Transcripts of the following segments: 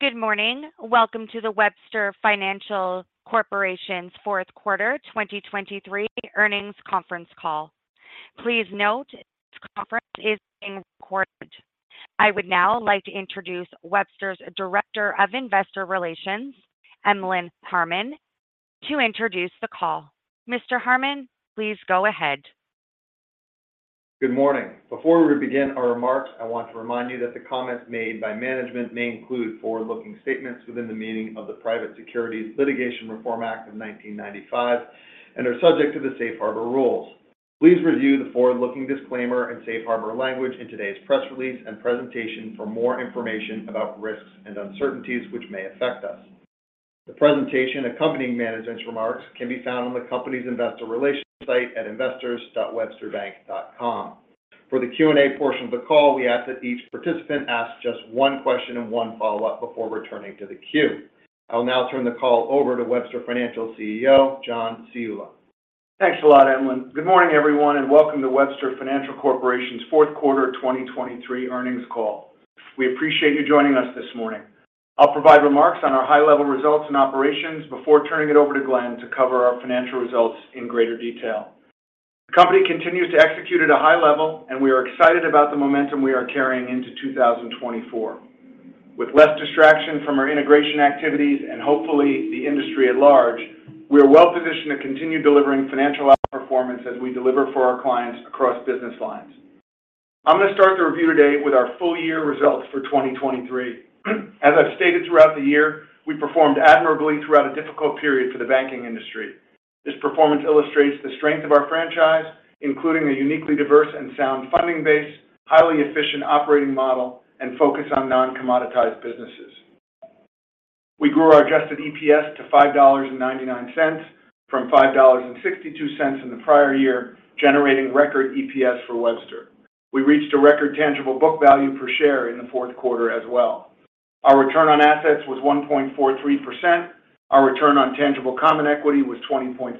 Good morning. Welcome to the Webster Financial Corporation's fourth quarter 2023 earnings conference call. Please note, this conference is being recorded. I would now like to introduce Webster's Director of Investor Relations, Emlen Harmon, to introduce the call. Mr. Harmon, please go ahead. Good morning. Before we begin our remarks, I want to remind you that the comments made by management may include forward-looking statements within the meaning of the Private Securities Litigation Reform Act of 1995 and are subject to the Safe Harbor rules. Please review the forward-looking disclaimer and Safe Harbor language in today's press release and presentation for more information about risks and uncertainties, which may affect us. The presentation accompanying management's remarks can be found on the company's investor relations site at investors.websterbank.com. For the Q&A portion of the call, we ask that each participant ask just one question and one follow-up before returning to the queue. I will now turn the call over to Webster Financial CEO, John Ciulla. Thanks a lot, Emlen. Good morning, everyone, and welcome to Webster Financial Corporation's fourth quarter 2023 earnings call. We appreciate you joining us this morning. I'll provide remarks on our high-level results and operations before turning it over to Glenn to cover our financial results in greater detail. The company continues to execute at a high level, and we are excited about the momentum we are carrying into 2024. With less distraction from our integration activities and hopefully the industry at large, we are well-positioned to continue delivering financial outperformance as we deliver for our clients across business lines. I'm going to start the review today with our full year results for 2023. As I've stated throughout the year, we performed admirably throughout a difficult period for the banking industry. This performance illustrates the strength of our franchise, including a uniquely diverse and sound funding base, highly efficient operating model, and focus on non-commoditized businesses. We grew our adjusted EPS to $5.99 from $5.62 in the prior year, generating record EPS for Webster. We reached a record tangible book value per share in the fourth quarter as well. Our return on assets was 1.43%, our return on tangible common equity was 20.5%,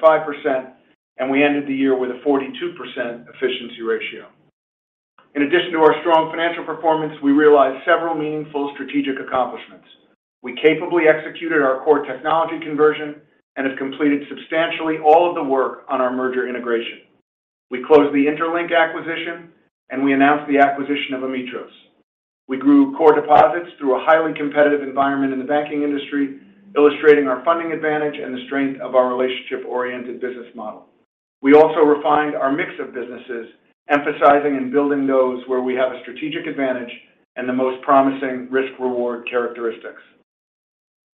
and we ended the year with a 42% efficiency ratio. In addition to our strong financial performance, we realized several meaningful strategic accomplishments. We capably executed our core technology conversion and have completed substantially all of the work on our merger integration. We closed the interLINK acquisition, and we announced the acquisition of Ametros. We grew core deposits through a highly competitive environment in the banking industry, illustrating our funding advantage and the strength of our relationship-oriented business model. We also refined our mix of businesses, emphasizing and building those where we have a strategic advantage and the most promising risk-reward characteristics.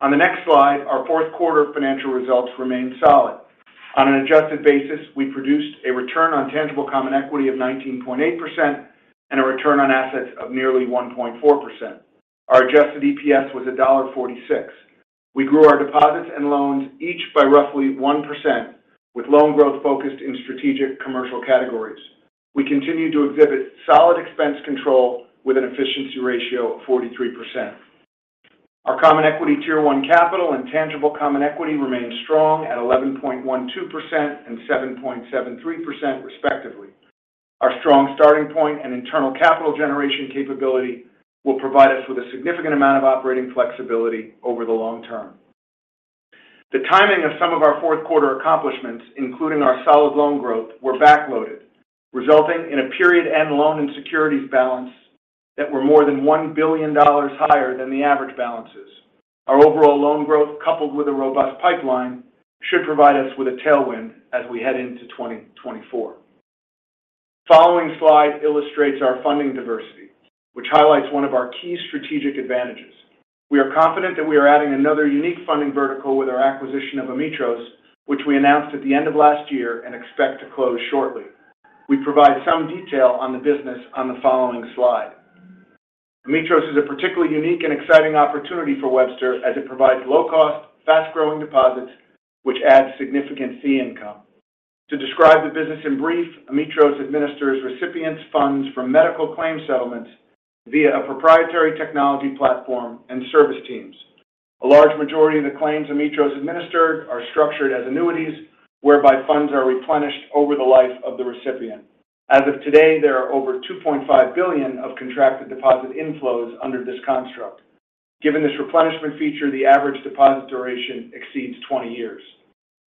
On the next slide, our fourth quarter financial results remained solid. On an adjusted basis, we produced a return on tangible common equity of 19.8% and a return on assets of nearly 1.4%. Our adjusted EPS was $1.46. We grew our deposits and loans each by roughly 1%, with loan growth focused in strategic commercial categories. We continued to exhibit solid expense control with an efficiency ratio of 43%. Our Common Equity Tier 1 capital and tangible common equity remained strong at 11.12% and 7.73%, respectively. Our strong starting point and internal capital generation capability will provide us with a significant amount of operating flexibility over the long term. The timing of some of our fourth-quarter accomplishments, including our solid loan growth, were backloaded, resulting in a period-end loan and securities balance that were more than $1 billion higher than the average balances. Our overall loan growth, coupled with a robust pipeline, should provide us with a tailwind as we head into 2024. The following slide illustrates our funding diversity, which highlights one of our key strategic advantages. We are confident that we are adding another unique funding vertical with our acquisition of Ametros, which we announced at the end of last year and expect to close shortly. We provide some detail on the business on the following slide. Ametros is a particularly unique and exciting opportunity for Webster as it provides low-cost, fast-growing deposits, which adds significant fee income. To describe the business in brief, Ametros administers recipients' funds from medical claim settlements via a proprietary technology platform and service teams. A large majority of the claims Ametros administered are structured as annuities, whereby funds are replenished over the life of the recipient. As of today, there are over $2.5 billion of contracted deposit inflows under this construct. Given this replenishment feature, the average deposit duration exceeds 20 years.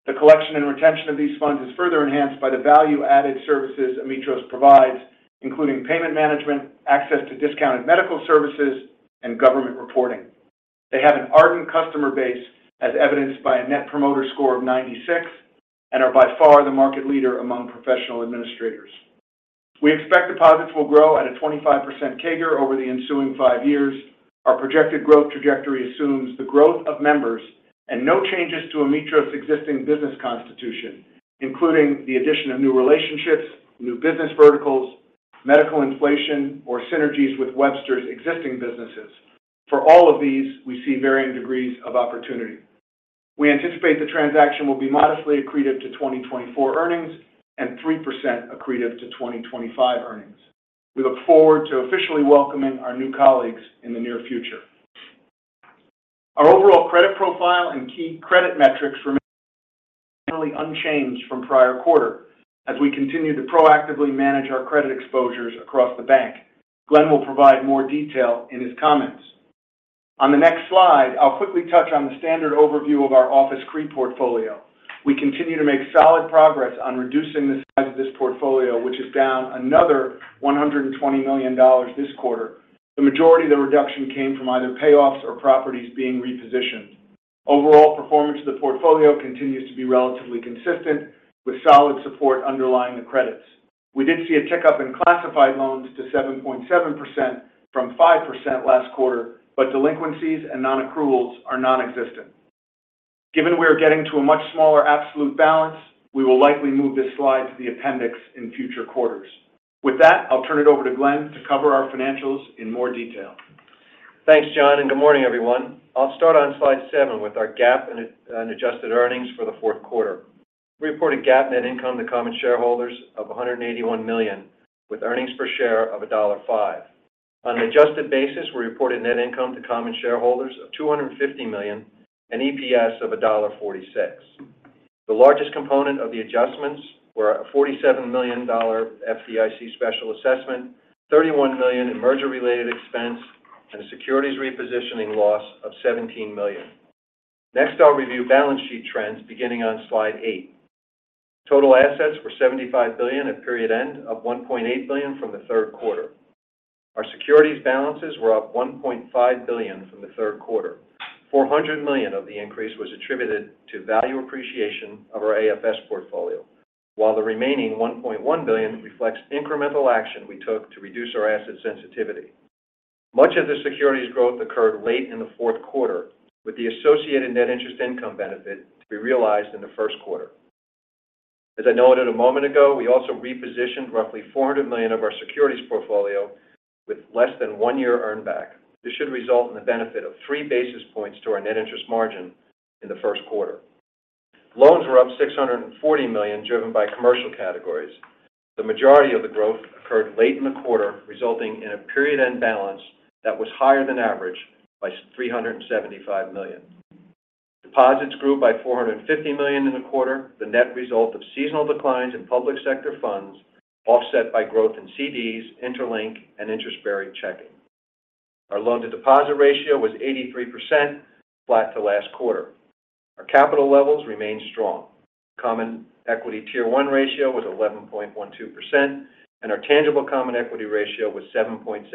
The collection and retention of these funds is further enhanced by the value-added services Ametros provides, including payment management, access to discounted medical services, and government reporting. They have an ardent customer base, as evidenced by a Net Promoter Score of 96 and are by far the market leader among professional administrators. We expect deposits will grow at a 25% CAGR over the ensuing five years. Our projected growth trajectory assumes the growth of members and no changes to Ametros' existing business constitution, including the addition of new relationships, new business verticals, medical inflation, or synergies with Webster's existing businesses. For all of these, we see varying degrees of opportunity. We anticipate the transaction will be modestly accretive to 2024 earnings and 3% accretive to 2025 earnings. We look forward to officially welcoming our new colleagues in the near future. Our overall credit profile and key credit metrics remain generally unchanged from prior quarter as we continue to proactively manage our credit exposures across the bank. Glenn will provide more detail in his comments. On the next slide, I'll quickly touch on the standard overview of our office CRE portfolio. We continue to make solid progress on reducing the size of this portfolio, which is down another $120 million this quarter. The majority of the reduction came from either payoffs or properties being repositioned. Overall, performance of the portfolio continues to be relatively consistent, with solid support underlying the credits. We did see a tick-up in classified loans to 7.7% from 5% last quarter, but delinquencies and non-accruals are non-existent. Given we are getting to a much smaller absolute balance, we will likely move this slide to the appendix in future quarters. With that, I'll turn it over to Glenn to cover our financials in more detail. Thanks, John, and good morning, everyone. I'll start on slide seven with our GAAP and adjusted earnings for the fourth quarter. We reported GAAP net income to common shareholders of $181 million, with earnings per share of $1.05. On an adjusted basis, we reported net income to common shareholders of $250 million and EPS of $1.46. The largest component of the adjustments were a $47 million FDIC special assessment, $31 million in merger-related expense, and a securities repositioning loss of $17 million. Next, I'll review balance sheet trends beginning on slide eight. Total assets were $75 billion at period end, up $1.8 billion from the third quarter. Our securities balances were up $1.5 billion from the third quarter. $400 million of the increase was attributed to value appreciation of our AFS portfolio, while the remaining $1.1 billion reflects incremental action we took to reduce our asset sensitivity. Much of the securities growth occurred late in the fourth quarter, with the associated net interest income benefit to be realized in the first quarter. As I noted a moment ago, we also repositioned roughly $400 million of our securities portfolio with less than one year earn back. This should result in the benefit of 3 basis points to our net interest margin in the first quarter. Loans were up $640 million, driven by commercial categories. The majority of the growth occurred late in the quarter, resulting in a period-end balance that was higher than average by $375 million. Deposits grew by $450 million in the quarter, the net result of seasonal declines in public sector funds, offset by growth in CDs, interLINK, and interest-bearing checking. Our loan-to-deposit ratio was 83%, flat to last quarter. Our capital levels remained strong. Common Equity Tier 1 ratio was 11.12%, and our tangible common equity ratio was 7.7%.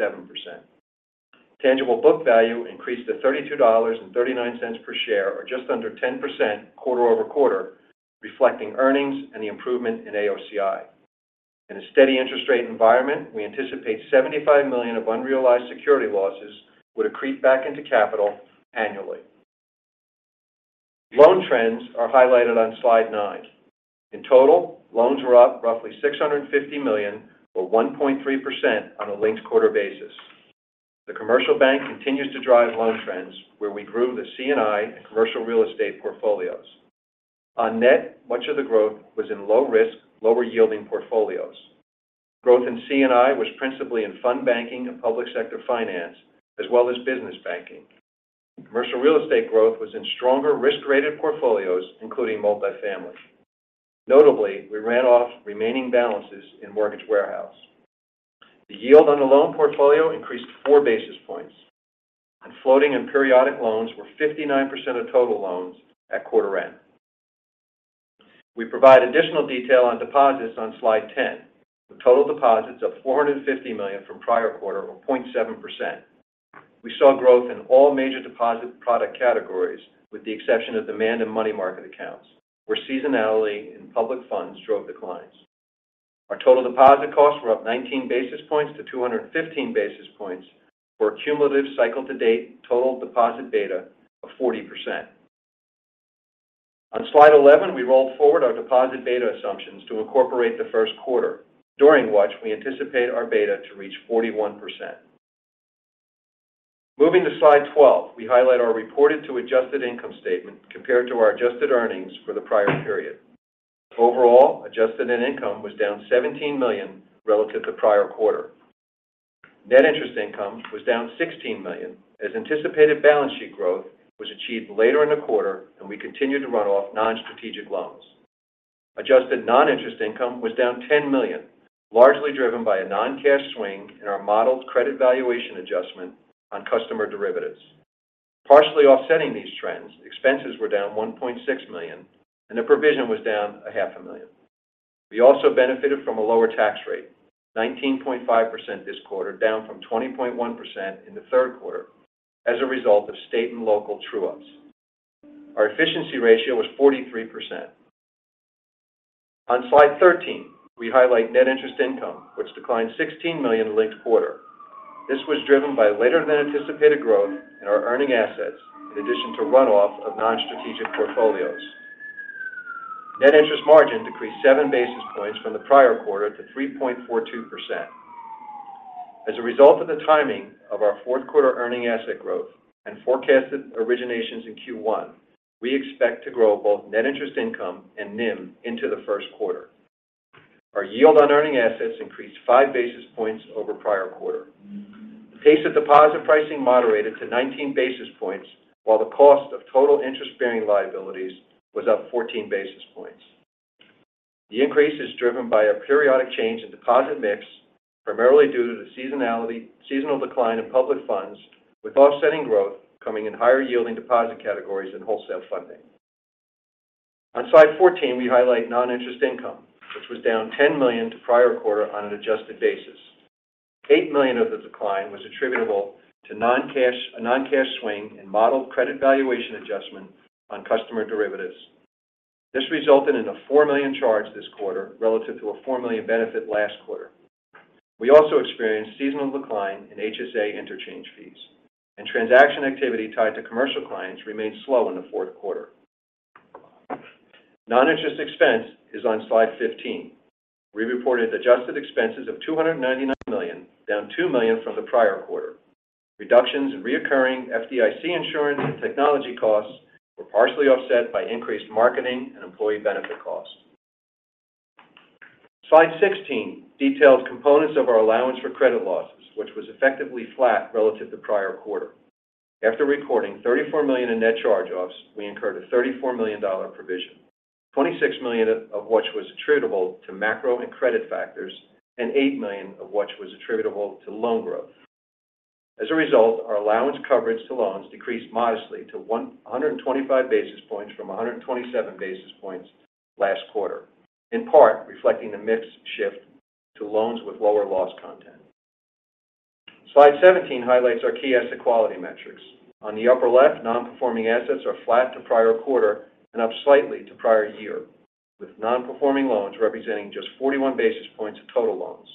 Tangible book value increased to $32.39 per share, or just under 10% quarter-over-quarter, reflecting earnings and the improvement in AOCI. In a steady interest rate environment, we anticipate $75 million of unrealized security losses would accrete back into capital annually. Loan trends are highlighted on slide nine. In total, loans were up roughly $650 million, or 1.3% on a linked-quarter basis. The Commercial Bank continues to drive loan trends, where we grew the C&I and commercial real estate portfolios. On net, much of the growth was in low-risk, lower-yielding portfolios. Growth in C&I was principally in fund banking and public sector finance, as well as business banking. Commercial real estate growth was in stronger risk-rated portfolios, including multifamily. Notably, we ran off remaining balances in mortgage warehouse. The yield on the loan portfolio increased 4 basis points, and floating and periodic loans were 59% of total loans at quarter end. We provide additional detail on deposits on slide 10, with total deposits of $450 million from prior quarter, or 0.7%. We saw growth in all major deposit product categories, with the exception of demand and money market accounts, where seasonality in public funds drove declines. Our total deposit costs were up 19 basis points to 215 basis points, for a cumulative cycle to date total deposit beta of 40%. On slide 11, we roll forward our deposit beta assumptions to incorporate the first quarter, during which we anticipate our beta to reach 41%. Moving to slide 12, we highlight our reported to adjusted income statement compared to our adjusted earnings for the prior period. Overall, adjusted net income was down $17 million relative to prior quarter. Net interest income was down $16 million, as anticipated balance sheet growth was achieved later in the quarter, and we continued to run off non-strategic loans. Adjusted non-interest income was down $10 million, largely driven by a non-cash swing in our modeled credit valuation adjustment on customer derivatives. Partially offsetting these trends, expenses were down $1.6 million, and the provision was down $0.5 million. We also benefited from a lower tax rate, 19.5% this quarter, down from 20.1% in the third quarter as a result of state and local true-ups. Our efficiency ratio was 43%. On slide 13, we highlight net interest income, which declined $16 million linked-quarter. This was driven by later than anticipated growth in our earning assets, in addition to run off of non-strategic portfolios. Net interest margin decreased 7 basis points from the prior quarter to 3.42%. As a result of the timing of our fourth quarter earning asset growth and forecasted originations in Q1, we expect to grow both net interest income and NIM into the first quarter. Our yield on earning assets increased 5 basis points over prior quarter. The pace of deposit pricing moderated to 19 basis points, while the cost of total interest-bearing liabilities was up 14 basis points. The increase is driven by a periodic change in deposit mix, primarily due to the seasonal decline in public funds, with offsetting growth coming in higher-yielding deposit categories and wholesale funding. On slide 14, we highlight non-interest income, which was down $10 million to prior quarter on an adjusted basis. $8 million of the decline was attributable to a non-cash swing in model credit valuation adjustment on customer derivatives. This resulted in a $4 million charge this quarter, relative to a $4 million benefit last quarter. We also experienced seasonal decline in HSA interchange fees, and transaction activity tied to commercial clients remained slow in the fourth quarter. Non-interest expense is on slide 15. We reported adjusted expenses of $299 million, down $2 million from the prior quarter. Reductions in recurring FDIC insurance and technology costs were partially offset by increased marketing and employee benefit costs. Slide 16 details components of our allowance for credit losses, which was effectively flat relative to prior quarter. After recording $34 million in net charge-offs, we incurred a $34 million provision, $26 million of which was attributable to macro and credit factors, and $8 million of which was attributable to loan growth. As a result, our allowance coverage to loans decreased modestly to 125 basis points from 127 basis points last quarter, in part reflecting the mix shift to loans with lower loss content. Slide 17 highlights our key asset quality metrics. On the upper left, non-performing assets are flat to prior quarter and up slightly to prior year, with non-performing loans representing just 41 basis points of total loans.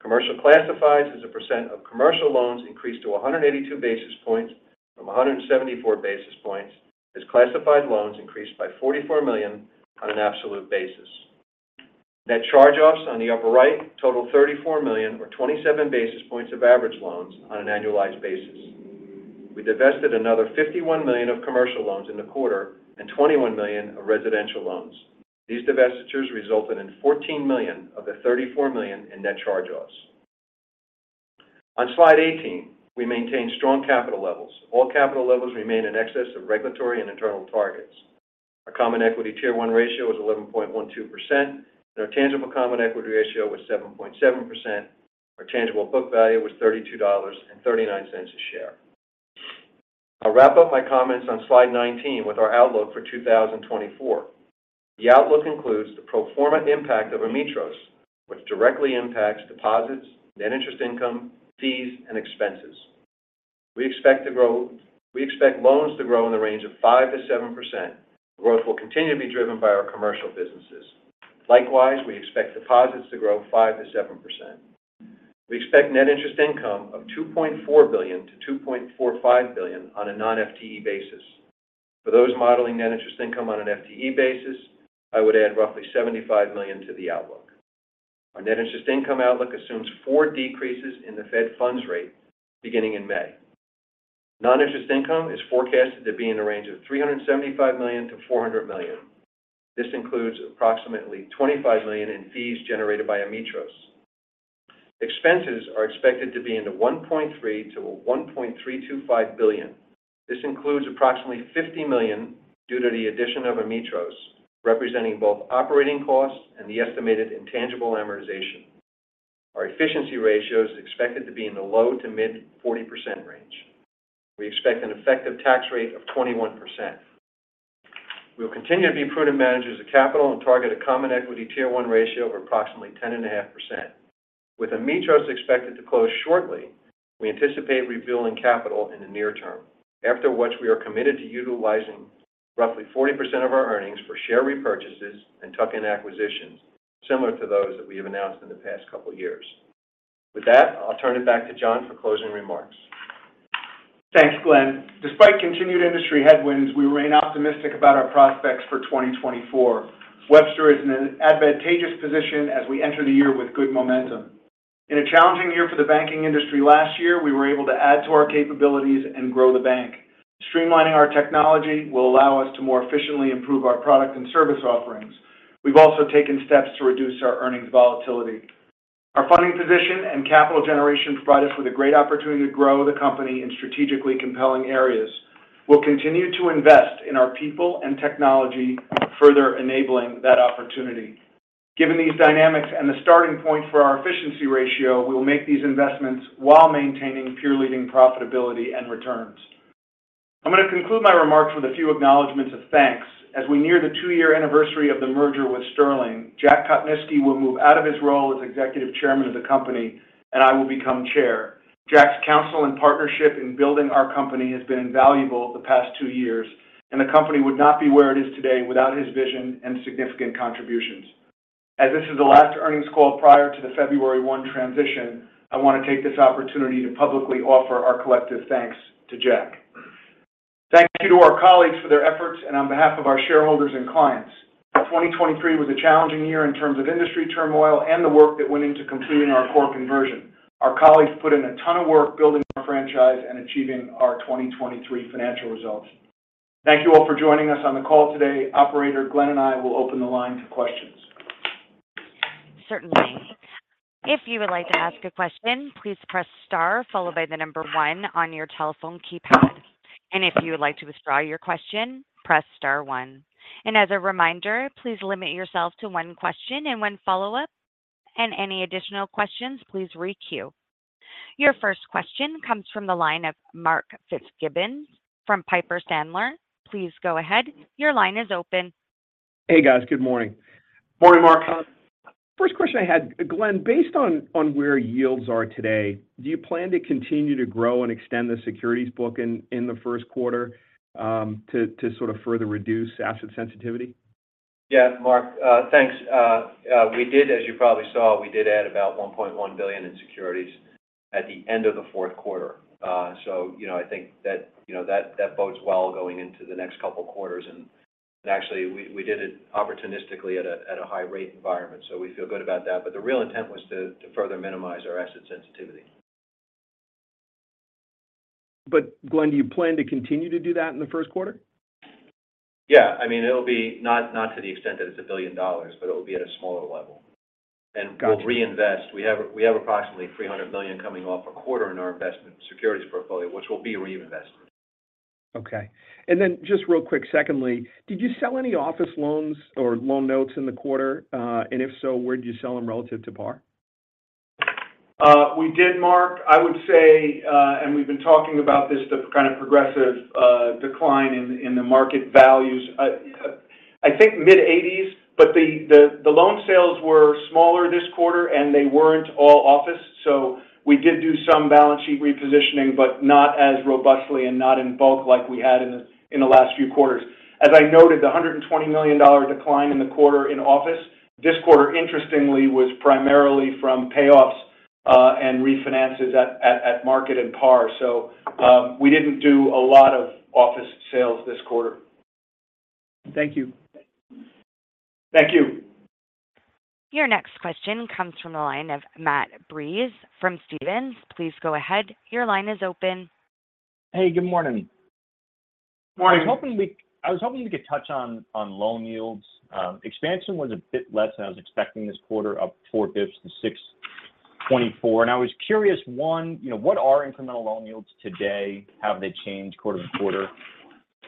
Commercial classifieds as a percent of commercial loans increased to 182 basis points from 174 basis points, as classified loans increased by $44 million on an absolute basis. Net charge-offs on the upper right totaled $34 million or 27 basis points of average loans on an annualized basis. We divested another $51 million of commercial loans in the quarter and $21 million of residential loans. These divestitures resulted in $14 million of the $34 million in net charge-offs. On Slide 18, we maintained strong capital levels. All capital levels remain in excess of regulatory and internal targets. Our Common Equity Tier 1 ratio was 11.12%, and our tangible common equity ratio was 7.7%. Our tangible book value was $32.39 a share. I'll wrap up my comments on slide 19 with our outlook for 2024. The outlook includes the pro forma impact of Ametros, which directly impacts deposits, net interest income, fees, and expenses. We expect loans to grow in the range of 5%-7%. Growth will continue to be driven by our commercial businesses. Likewise, we expect deposits to grow 5%-7%. We expect net interest income of $2.4 billion-$2.45 billion on a non-FTE basis. For those modeling net interest income on an FTE basis, I would add roughly $75 million to the outlook. Our net interest income outlook assumes four decreases in the Fed funds rate beginning in May. Non-interest income is forecasted to be in the range of $375 million-$400 million. This includes approximately $25 million in fees generated by Ametros. Expenses are expected to be in the $1.3 billion-$1.325 billion. This includes approximately $50 million due to the addition of Ametros, representing both operating costs and the estimated intangible amortization. Our efficiency ratio is expected to be in the low- to mid-40% range. We expect an effective tax rate of 21%. We will continue to be prudent managers of capital and target a Common Equity Tier 1 ratio of approximately 10.5%. With Ametros expected to close shortly, we anticipate rebuilding capital in the near term, after which we are committed to utilizing roughly 40% of our earnings for share repurchases and tuck-in acquisitions, similar to those that we have announced in the past couple of years. With that, I'll turn it back to John for closing remarks. Thanks, Glenn. Despite continued industry headwinds, we remain optimistic about our prospects for 2024. Webster is in an advantageous position as we enter the year with good momentum. In a challenging year for the banking industry last year, we were able to add to our capabilities and grow the bank. Streamlining our technology will allow us to more efficiently improve our product and service offerings. We've also taken steps to reduce our earnings volatility. Our funding position and capital generation provide us with a great opportunity to grow the company in strategically compelling areas. We'll continue to invest in our people and technology, further enabling that opportunity. Given these dynamics and the starting point for our efficiency ratio, we will make these investments while maintaining peer-leading profitability and returns. I'm going to conclude my remarks with a few acknowledgments of thanks. As we near the two-year anniversary of the merger with Sterling, Jack Kopnisky will move out of his role as Executive Chairman of the company, and I will become Chairman. Jack's counsel and partnership in building our company has been invaluable the past two years, and the company would not be where it is today without his vision and significant contributions. As this is the last earnings call prior to the February 1 transition, I want to take this opportunity to publicly offer our collective thanks to Jack. Thank you to our colleagues for their efforts and on behalf of our shareholders and clients. Twenty twenty-three was a challenging year in terms of industry turmoil and the work that went into completing our core conversion. Our colleagues put in a ton of work building our franchise and achieving our 2023 financial results. Thank you all for joining us on the call today. Operator, Glenn and I will open the line to questions. Certainly. If you would like to ask a question, please press star followed by the number one on your telephone keypad. If you would like to withdraw your question, press star one. As a reminder, please limit yourself to one question and one follow-up. Any additional questions, please re-queue. Your first question comes from the line of Mark Fitzgibbon from Piper Sandler. Please go ahead. Your line is open. Hey, guys. Good morning. Morning, Mark. First question I had, Glenn, based on where yields are today, do you plan to continue to grow and extend the securities book in the first quarter to sort of further reduce asset sensitivity? Yeah, Mark, thanks. We did, as you probably saw, we did add about $1.1 billion in securities at the end of the fourth quarter. So you know, I think that, you know, that bodes well going into the next couple of quarters, and actually, we did it opportunistically at a high rate environment. So we feel good about that, but the real intent was to further minimize our asset sensitivity. But Glenn, do you plan to continue to do that in the first quarter? Yeah. I mean, it'll be not to the extent that it's $1 billion, but it will be at a smaller level. Gotcha. We'll reinvest. We have approximately $300 million coming off a quarter in our investment securities portfolio, which will be reinvested. Okay. And then just real quick, secondly, did you sell any office loans or loan notes in the quarter? And if so, where did you sell them relative to par? We did, Mark. I would say, and we've been talking about this, the kind of progressive decline in the market values. I think mid-80s, but the loan sales were smaller this quarter, and they weren't all office. So we did do some balance sheet repositioning, but not as robustly and not in bulk like we had in the last few quarters. As I noted, the $120 million decline in the quarter in office, this quarter, interestingly, was primarily from payoffs and refinances at market and par. So, we didn't do a lot of office sales this quarter. Thank you. Thank you. Your next question comes from the line of Matt Breese from Stephens. Please go ahead. Your line is open. Hey, good morning. Morning. I was hoping you could touch on loan yields. Expansion was a bit less than I was expecting this quarter, up 4 basis points to 6.4. And I was curious, one, you know, what are incremental loan yields today? Have they changed quarter-to-quarter?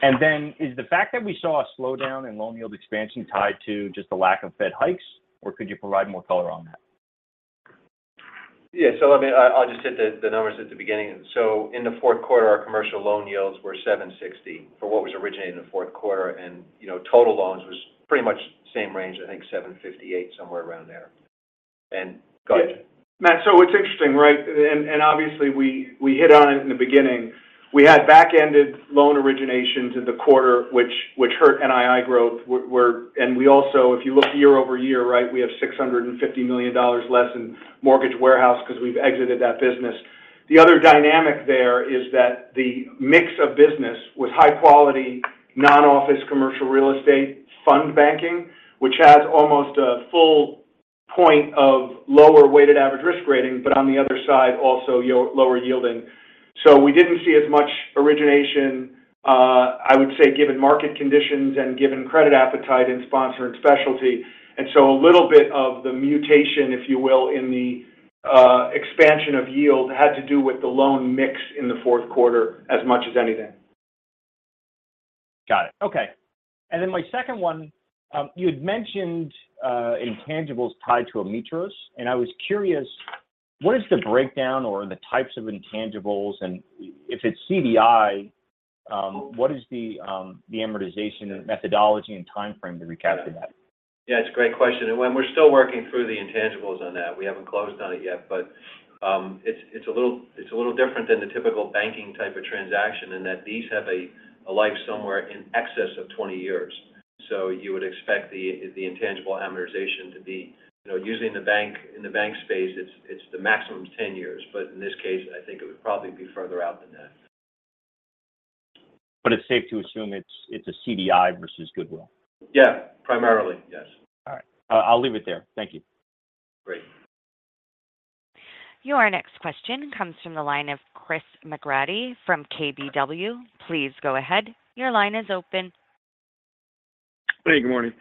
And then, is the fact that we saw a slowdown in loan yield expansion tied to just the lack of Fed hikes, or could you provide more color on that? Yeah. So let me—I, I'll just hit the numbers at the beginning. So in the fourth quarter, our commercial loan yields were 7.60% for what was originated in the fourth quarter, and, you know, total loans was pretty much the same range, I think 7.58%, somewhere around there. And, go ahead, John. Yeah. Matt, so it's interesting, right? And obviously, we hit on it in the beginning. We had back-ended loan originations in the quarter, which hurt NII growth, and we also, if you look year-over-year, right, we have $650 million less in mortgage warehouse because we've exited that business. The other dynamic there is that the mix of business with high-quality, non-office commercial real estate fund banking, which has almost a full point of lower weighted average risk rating, but on the other side, also lower yielding. So we didn't see as much origination, I would say, given market conditions and given credit appetite in sponsored specialty. And so a little bit of the mutation, if you will, in the expansion of yield, had to do with the loan mix in the fourth quarter as much as anything. Got it. Okay. And then my second one, you had mentioned, intangibles tied to Ametros, and I was curious, what is the breakdown or the types of intangibles? And if it's CDI, what is the amortization and methodology and time frame to recapture that? Yeah, it's a great question, and when we're still working through the intangibles on that, we haven't closed on it yet, but it's a little different than the typical banking type of transaction in that these have a life somewhere in excess of 20 years. So you would expect the intangible amortization to be, you know, using the bank, in the bank space, it's the maximum 10 years, but in this case, I think it would probably be further out than that. But it's safe to assume it's a CDI versus goodwill? Yeah, primarily, yes. All right. I'll leave it there. Thank you. Great. Your next question comes from the line of Chris McGratty from KBW. Please go ahead. Your line is open. Hey, good morning.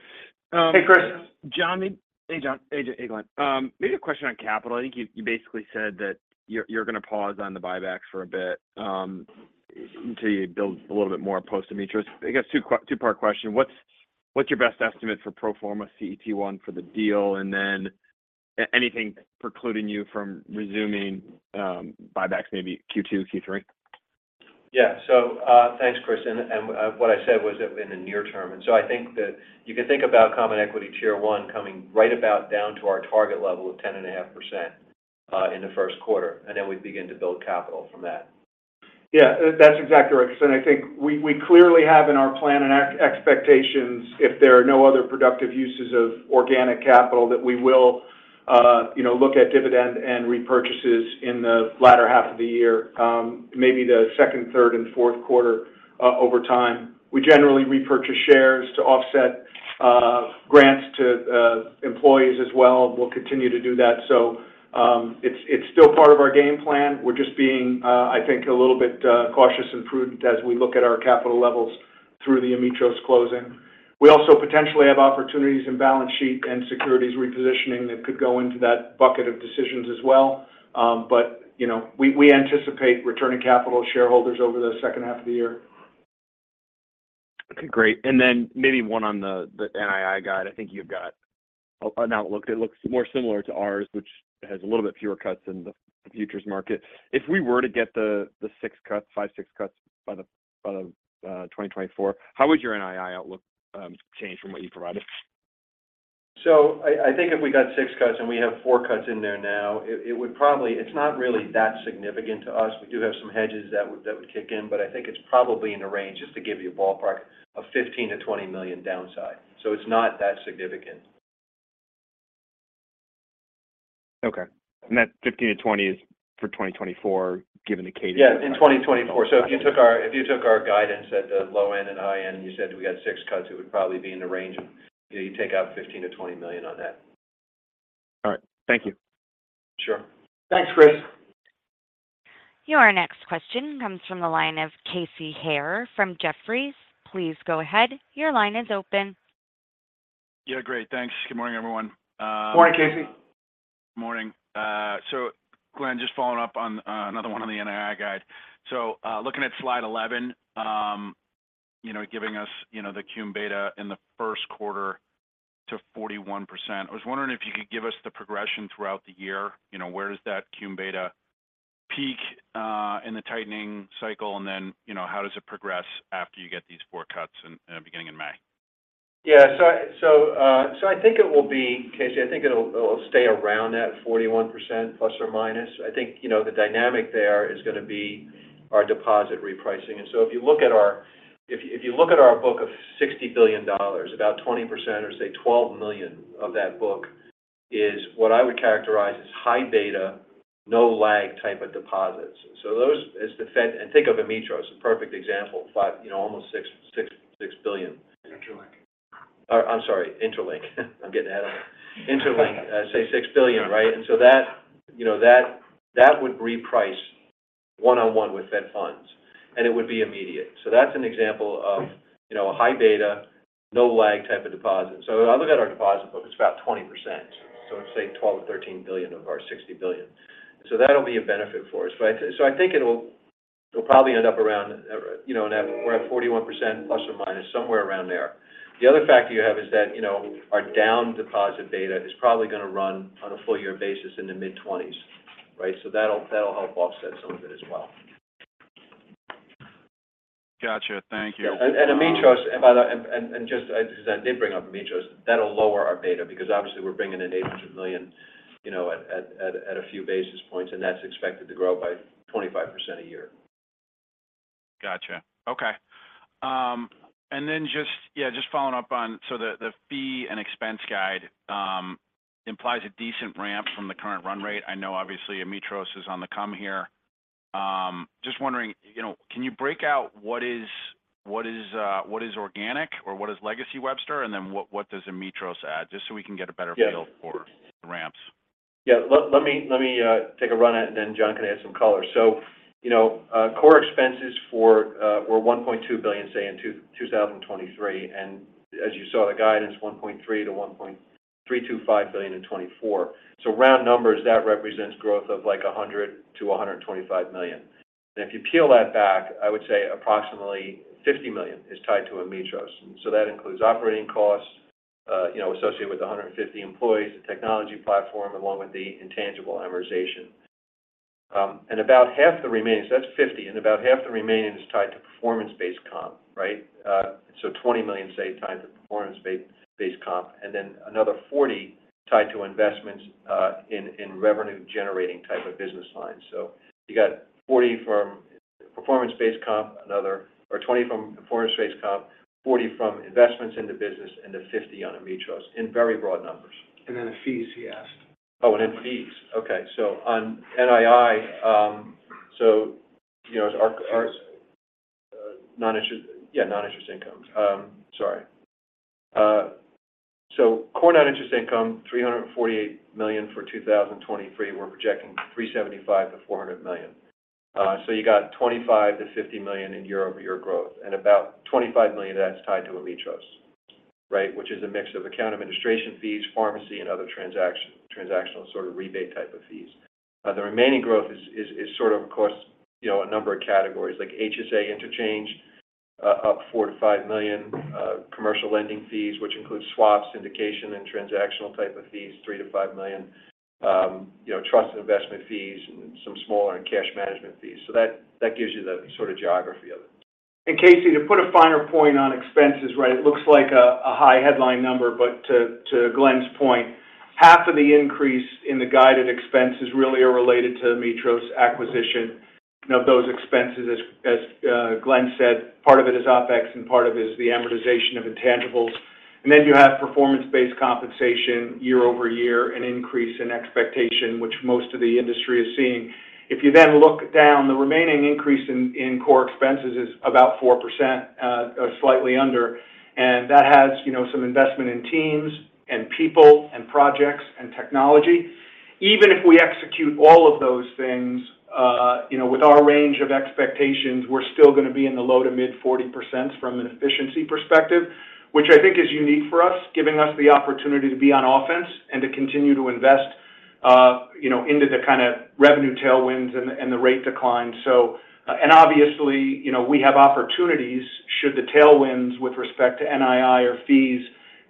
Hey, Chris. John, hey, John. Hey, Glenn. Maybe a question on capital. I think you basically said that you're going to pause on the buybacks for a bit until you build a little bit more post Ametros. I guess, two-part question. What's your best estimate for pro forma CET1 for the deal, and then anything precluding you from resuming buybacks maybe Q2, Q3? Yeah. So, thanks, Chris. And what I said was that in the near term. And so I think that you can think about Common Equity Tier 1 coming right about down to our target level of 10.5%, in the first quarter, and then we begin to build capital from that. Yeah, that's exactly right. So I think we clearly have in our plan and expectations, if there are no other productive uses of organic capital, that we will, you know, look at dividend and repurchases in the latter half of the year, maybe the second, third, and fourth quarter, over time. We generally repurchase shares to offset, grants to, employees as well. We'll continue to do that. So, it's still part of our game plan. We're just being, I think, a little bit, cautious and prudent as we look at our capital levels through the Ametros closing. We also potentially have opportunities in balance sheet and securities repositioning that could go into that bucket of decisions as well. But, you know, we anticipate returning capital to shareholders over the second half of the year. Okay, great. And then maybe one on the NII guide. I think you've got an outlook that looks more similar to ours, which has a little bit fewer cuts in the futures market. If we were to get the six cuts, five, six cuts by the 2024, how would your NII outlook change from what you provided? So I think if we got six cuts and we have four cuts in there now, it would probably—it's not really that significant to us. We do have some hedges that would kick in, but I think it's probably in a range, just to give you a ballpark, of $15 million-$20 million downside. So it's not that significant. Okay. And that $15 million-$20 million is for 2024, given the case. Yeah, in 2024. So if you took our guidance at the low end and high end, and you said we had six cuts, it would probably be in the range of you take out $15 million-$20 million on that. All right. Thank you. Sure. Thanks, Chris. Your next question comes from the line of Casey Haire from Jefferies. Please go ahead. Your line is open. Yeah, great. Thanks. Good morning, everyone, Good morning, Casey. Morning. So Glenn, just following up on another one on the NII guide. So, looking at slide 11, you know, giving us, you know, the cum beta in the first quarter to 41%. I was wondering if you could give us the progression throughout the year. You know, where does that cum beta peak in the tightening cycle? And then, you know, how does it progress after you get these four cuts in beginning in May? Yeah. So I think it will be, Casey, I think it'll stay around that 41%±. I think, you know, the dynamic there is going to be our deposit repricing. And so if you look at our book of $60 billion, about 20% or say, $12 billion of that book is what I would characterize as high beta, no lag type of deposits. So those, as the Fed, and think of Ametros, a perfect example, $5 billion, you know, almost $6 billion. And interLINK. I'm sorry, interLINK. I'm getting ahead of it, interLINK, I'd say $6 billion, right? And so that, you know, that, that would reprice one-on-one with Fed funds, and it would be immediate. So that's an example of, you know, a high beta, no lag type of deposit. So I look at our deposit book, it's about 20%, so let's say $12 billion-$13 billion of our $60 billion. So that'll be a benefit for us. But I—so I think it'll, it'll probably end up around, you know, around 41%±, somewhere around there. The other factor you have is that, you know, our down deposit beta is probably going to run on a full-year basis in the mid-20s, right? So that'll, that'll help offset some of it as well. Gotcha. Thank you. Ametros, and by the way, just since I did bring up Ametros, that'll lower our beta because obviously we're bringing in $800 million, you know, at a few basis points, and that's expected to grow by 25% a year. Gotcha. Okay. And then just, yeah, just following up on—so the fee and expense guide implies a decent ramp from the current run rate. I know obviously Ametros is on the come here. Just wondering, you know, can you break out what is organic or what is legacy Webster, and then what does Ametros add? Just so we can get a better feel— Yes. For the ramps. Yeah. Let me take a run at it, and then John can add some color. So, you know, core expenses were $1.2 billion, say in 2023, and as you saw, the guidance, $1.3 billion-$1.325 billion in 2024. So round numbers, that represents growth of like $100 million-$125 million. And if you peel that back, I would say approximately $50 million is tied to Ametros. So that includes operating costs, you know, associated with 150 employees, the technology platform, along with the intangible amortization. And about half the remaining, so that's $50 million, and about half the remaining is tied to performance-based comp, right? So $20 million, say, tied to performance-based comp, and then another $40 million tied to investments in revenue-generating type of business lines. So you got $40 million from performance-based comp, or $20 million from performance-based comp, $40 million from investments in the business, and the $50 million on Ametros, in very broad numbers. And then the fees, he asked. Oh, and then fees. Okay. So on NII, you know, our, our— Non-interest. Non-interest, yeah, non-interest income. Sorry. So core non-interest income, $348 million for 2023. We're projecting $375 million-$400 million. So you got $25 million-$50 million in year-over-year growth, and about $25 million of that's tied to Ametros, right? Which is a mix of account administration fees, pharmacy, and other transaction, transactional sort of rebate type of fees. The remaining growth is sort of, of course, you know, a number of categories, like HSA interchange, up $4 million-$5 million, commercial lending fees, which includes swaps, syndication, and transactional type of fees, $3 million-$5 million, you know, trust and investment fees, and some smaller and cash management fees. So that gives you the sort of geography of it. Casey, to put a finer point on expenses, right, it looks like a high headline number, but to Glenn's point, half of the increase in the guided expenses really are related to the Ametros acquisition. Now, those expenses, as Glenn said, part of it is OpEx and part of it is the amortization of intangibles. And then you have performance-based compensation year-over-year, an increase in expectation, which most of the industry is seeing. If you then look down, the remaining increase in core expenses is about 4%, or slightly under, and that has, you know, some investment in teams and people and projects and technology. Even if we execute all of those things, you know, with our range of expectations, we're still going to be in the low- to mid-40% from an efficiency perspective, which I think is unique for us, giving us the opportunity to be on offense and to continue to invest, you know, into the kind of revenue tailwinds and the, and the rate decline. So, and obviously, you know, we have opportunities should the tailwinds with respect to NII or fees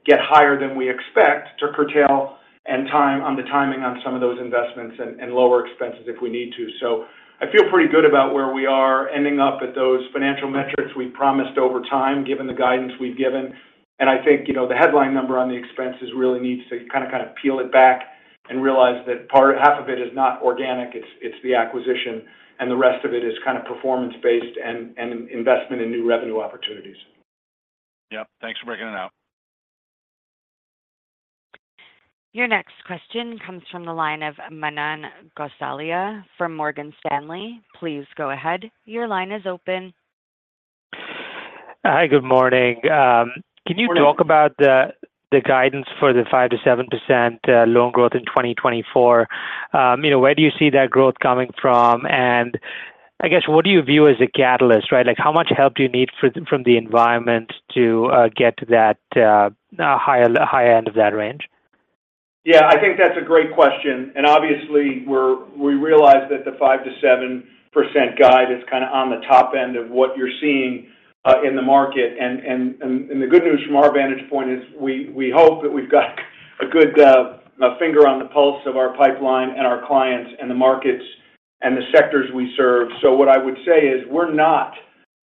get higher than we expect to curtail and time on the timing on some of those investments and, and lower expenses if we need to. So I feel pretty good about where we are ending up at those financial metrics we promised over time, given the guidance we've given. I think, you know, the headline number on the expenses really needs to kind of, kind of peel it back and realize that part-half of it is not organic, it's, it's the acquisition, and the rest of it is kind of performance-based and, and investment in new revenue opportunities. Yep. Thanks for breaking it out. Your next question comes from the line of Manan Gosalia from Morgan Stanley. Please go ahead. Your line is open. Hi, good morning. Can you— Morning. Talk about the guidance for the 5%-7% loan growth in 2024? You know, where do you see that growth coming from? And I guess, what do you view as a catalyst, right? Like, how much help do you need from the environment to get to that higher end of that range? Yeah, I think that's a great question, and obviously, we realize that the 5%-7% guide is kind of on the top end of what you're seeing in the market. And the good news from our vantage point is we hope that we've got a good finger on the pulse of our pipeline and our clients and the markets and the sectors we serve. So what I would say is, we're not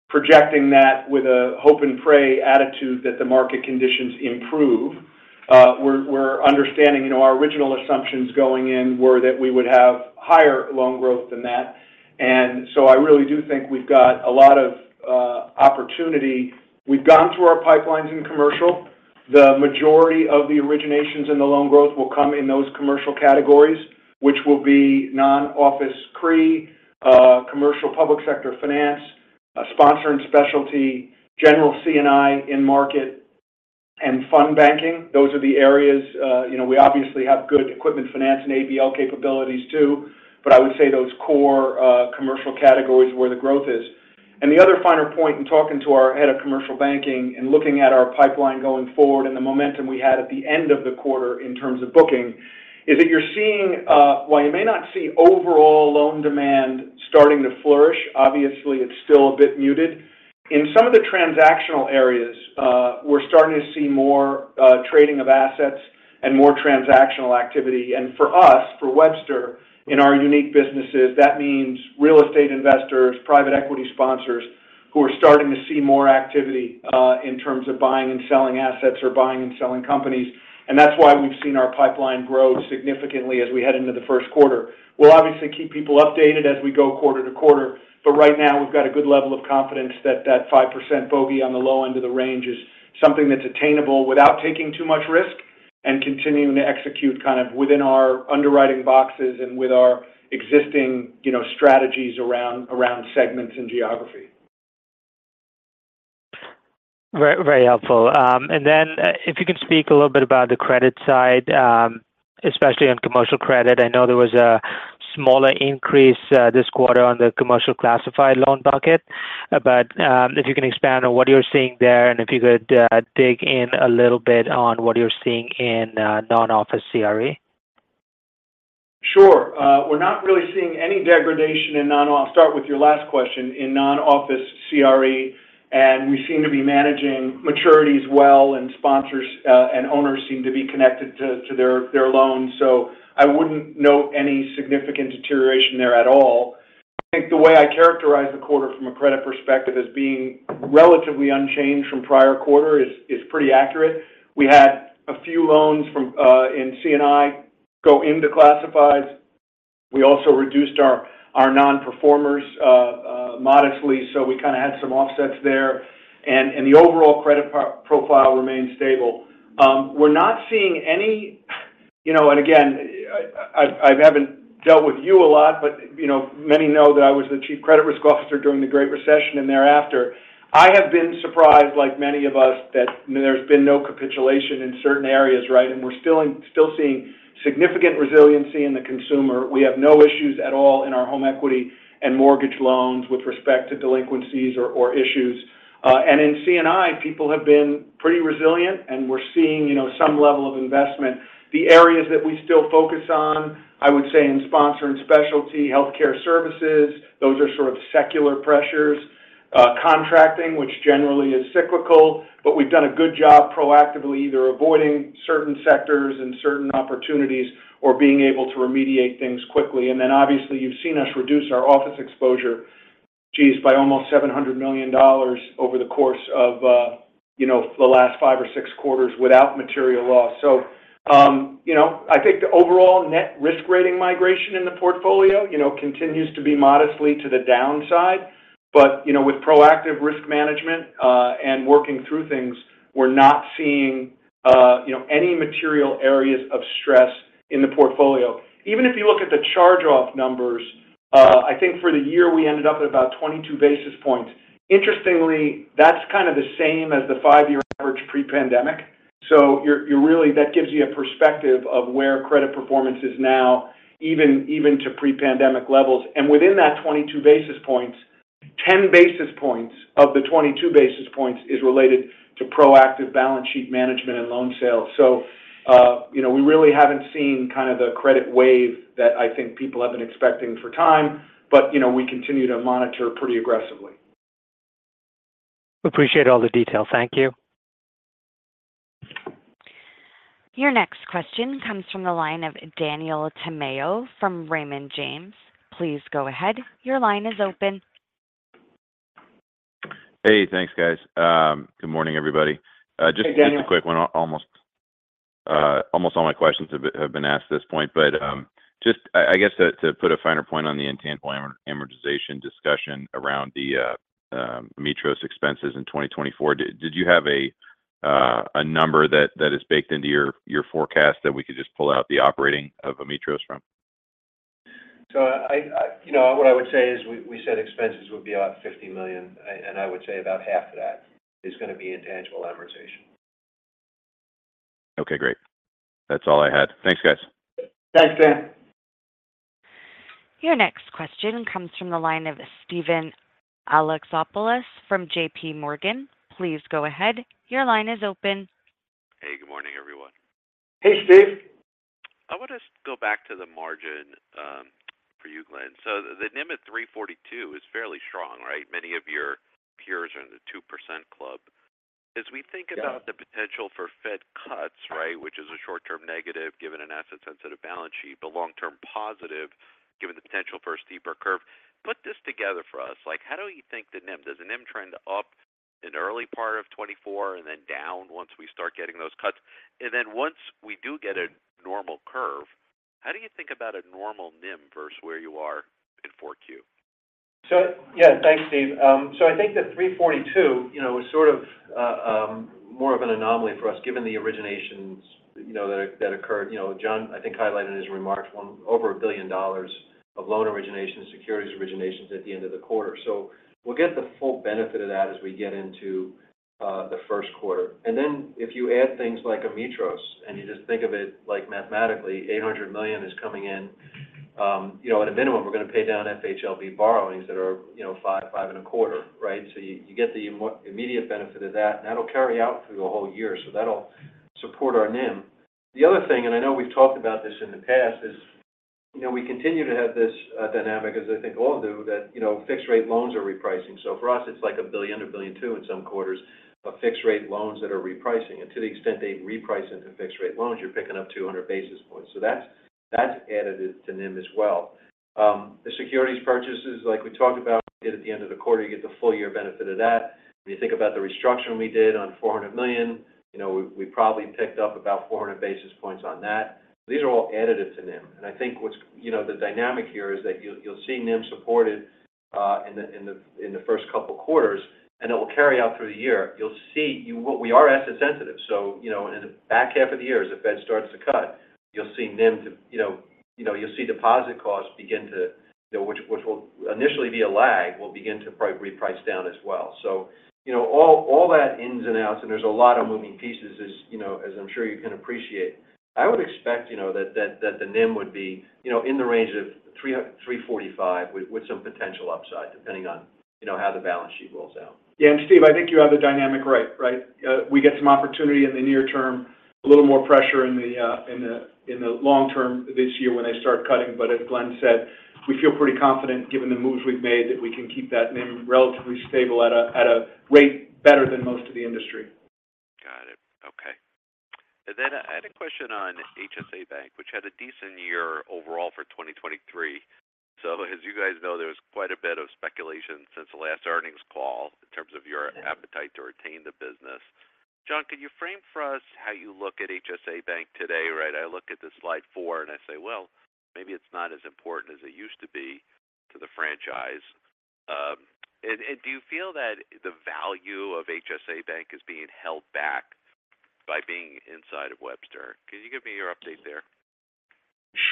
projecting that with a hope and pray attitude that the market conditions improve. We're understanding, you know, our original assumptions going in were that we would have higher loan growth than that. And so I really do think we've got a lot of opportunity. We've gone through our pipelines in commercial. The majority of the originations and the loan growth will come in those commercial categories, which will be non-office CRE, commercial public sector finance, sponsor and specialty, general C&I in market, and fund banking. Those are the areas. You know, we obviously have good equipment finance and ABL capabilities too, but I would say those core commercial categories are where the growth is. And the other finer point in talking to our head of Commercial Banking and looking at our pipeline going forward and the momentum we had at the end of the quarter in terms of booking, is that you're seeing while you may not see overall loan demand starting to flourish, obviously, it's still a bit muted. In some of the transactional areas, we're starting to see more trading of assets and more transactional activity. For us, for Webster, in our unique businesses, that means real estate investors, private equity sponsors, who are starting to see more activity in terms of buying and selling assets or buying and selling companies. That's why we've seen our pipeline grow significantly as we head into the first quarter. We'll obviously keep people updated as we go quarter-to-quarter, but right now, we've got a good level of confidence that that 5% bogey on the low end of the range is something that's attainable without taking too much risk and continuing to execute kind of within our underwriting boxes and with our existing, you know, strategies around segments and geography. Very, very helpful. And then, if you could speak a little bit about the credit side, especially on commercial credit. I know there was a smaller increase this quarter on the commercial classified loan bucket. But if you can expand on what you're seeing there, and if you could dig in a little bit on what you're seeing in non-office CRE. Sure. We're not really seeing any degradation in non-office. I'll start with your last question, in non-office CRE, and we seem to be managing maturities well, and sponsors, and owners seem to be connected to, to their, their loans. So I wouldn't note any significant deterioration there at all. I think the way I characterize the quarter from a credit perspective as being relatively unchanged from prior quarter is pretty accurate. We had a few loans from, in C&I go into classifieds. We also reduced our nonperformers modestly, so we kind of had some offsets there. And the overall credit profile remains stable. We're not seeing any, you know, and again, I haven't dealt with you a lot, but, you know, many know that I was the chief credit risk officer during the Great Recession and thereafter. I have been surprised, like many of us, that there's been no capitulation in certain areas, right? And we're still seeing significant resiliency in the Consumer. We have no issues at all in our home equity and mortgage loans with respect to delinquencies or issues. And in C&I, people have been pretty resilient, and we're seeing, you know, some level of investment. The areas that we still focus on, I would say in sponsor and specialty healthcare services, those are sort of secular pressures. Contracting, which generally is cyclical, but we've done a good job proactively either avoiding certain sectors and certain opportunities or being able to remediate things quickly. And then, obviously, you've seen us reduce our office exposure, geez, by almost $700 million over the course of, you know, the last five or six quarters without material loss. So, you know, I think the overall net risk rating migration in the portfolio, you know, continues to be modestly to the downside. But, you know, with proactive risk management, and working through things, we're not seeing, you know, any material areas of stress in the portfolio. Even if you look at the charge-off numbers. I think for the year, we ended up at about 22 basis points. Interestingly, that's kind of the same as the five-year average pre-pandemic. So you're really—that gives you a perspective of where credit performance is now, even, even to pre-pandemic levels. And within that 22 basis points, 10 basis points of the 22 basis points is related to proactive balance sheet management and loan sales. So, you know, we really haven't seen kind of the credit wave that I think people have been expecting for time, but, you know, we continue to monitor pretty aggressively. Appreciate all the detail. Thank you. Your next question comes from the line of Daniel Tamayo from Raymond James. Please go ahead. Your line is open. Hey, thanks, guys. Good morning, everybody. Hey, Daniel. Just, just a quick one. Almost, almost all my questions have, have been asked at this point, but, just, I, I guess, to, to put a finer point on the intangible amortization discussion around the Ametros expenses in 2024. Did, did you have a number that is baked into your forecast that we could just pull out the operating of Ametros from? So I—you know, what I would say is we said expenses would be about $50 million, and I would say about half of that is going to be intangible amortization. Okay, great. That's all I had. Thanks, guys. Thanks, Dan. Your next question comes from the line of Steven Alexopoulos from JPMorgan. Please go ahead. Your line is open. Hey, good morning, everyone. Hey, Steve. I want to go back to the margin, for you, Glenn. So the NIM at 3.42% is fairly strong, right? Many of your peers are in the 2% club. Yeah. As we think about the potential for Fed cuts, right, which is a short-term negative, given an asset-sensitive balance sheet, but long-term positive, given the potential for a steeper curve. Put this together for us. Like, how do you think the NIM—does the NIM trend up in early part of 2024 and then down once we start getting those cuts? And then once we do get a normal curve, how do you think about a normal NIM versus where you are in 4Q? So, yeah, thanks, Steve. So I think the 3.42%, you know, is sort of, more of an anomaly for us, given the originations, you know, that, that occurred. You know, John, I think, highlighted in his remarks, well over $1 billion of loan originations, securities originations at the end of the quarter. So we'll get the full benefit of that as we get into, the first quarter. And then if you add things like Ametros, and you just think of it like mathematically, $800 million is coming in. You know, at a minimum, we're going to pay down FHLB borrowings that are, you know, 5%, 5.25%, right? So you get the immediate benefit of that, and that'll carry out through the whole year. So that'll support our NIM. The other thing, and I know we've talked about this in the past, is, you know, we continue to have this dynamic, as I think all do, that, you know, fixed-rate loans are repricing. So for us, it's like $1 billion-$1.2 billion in some quarters of fixed-rate loans that are repricing. And to the extent they reprice into fixed-rate loans, you're picking up 200 basis points. So that's, that's additive to NIM as well. The securities purchases, like we talked about it at the end of the quarter, you get the full-year benefit of that. When you think about the restructuring we did on $400 million, you know, we, we probably picked up about 400 basis points on that. These are all additive to NIM. And I think what's you know, the dynamic here is that you, you'll see NIM supported in the first couple of quarters, and it will carry out through the year. You'll see we are asset sensitive, so you know, in the back half of the year, as the Fed starts to cut, you'll see NIM to you know, you'll see deposit costs begin to you know, which will initially be a lag, will begin to reprice down as well. So, you know, all that ins and outs, and there's a lot of moving pieces, as you know, as I'm sure you can appreciate. I would expect, you know, that the NIM would be, you know, in the range of 3.45%, with some potential upside, depending on, you know, how the balance sheet rolls out. Yeah, and Steve, I think you have the dynamic right, right? We get some opportunity in the near term, a little more pressure in the long term this year when they start cutting. But as Glenn said, we feel pretty confident, given the moves we've made, that we can keep that NIM relatively stable at a rate better than most of the industry. Got it. Okay. And then I had a question on HSA Bank, which had a decent year overall for 2023. So as you guys know, there was quite a bit of speculation since the last earnings call in terms of your appetite to retain the business. John, can you frame for us how you look at HSA Bank today, right? I look at the slide four, and I say, "Well, maybe it's not as important as it used to be to the franchise." And do you feel that the value of HSA Bank is being held back by being inside of Webster? Can you give me your update there?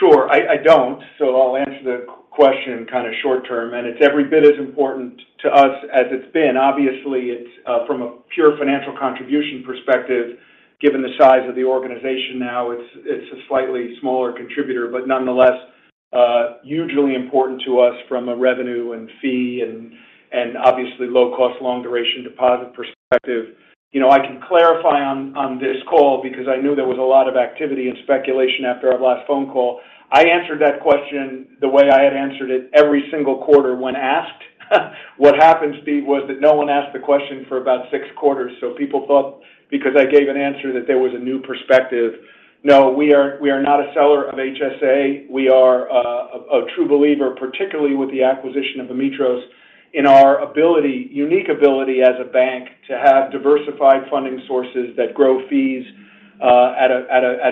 Sure. I don't, so I'll answer the question kind of short term, and it's every bit as important to us as it's been. Obviously, it's from a pure financial contribution perspective, given the size of the organization now, it's a slightly smaller contributor, but nonetheless, usually important to us from a revenue and fee and, and obviously low cost, long-duration deposit perspective. You know, I can clarify on this call because I knew there was a lot of activity and speculation after our last phone call. I answered that question the way I had answered it every single quarter when asked. What happened, Steve, was that no one asked the question for about six quarters, so people thought because I gave an answer that there was a new perspective. No, we are not a seller of HSA. We are a true believer, particularly with the acquisition of Ametros, in our unique ability as a bank to have diversified funding sources that grow fees at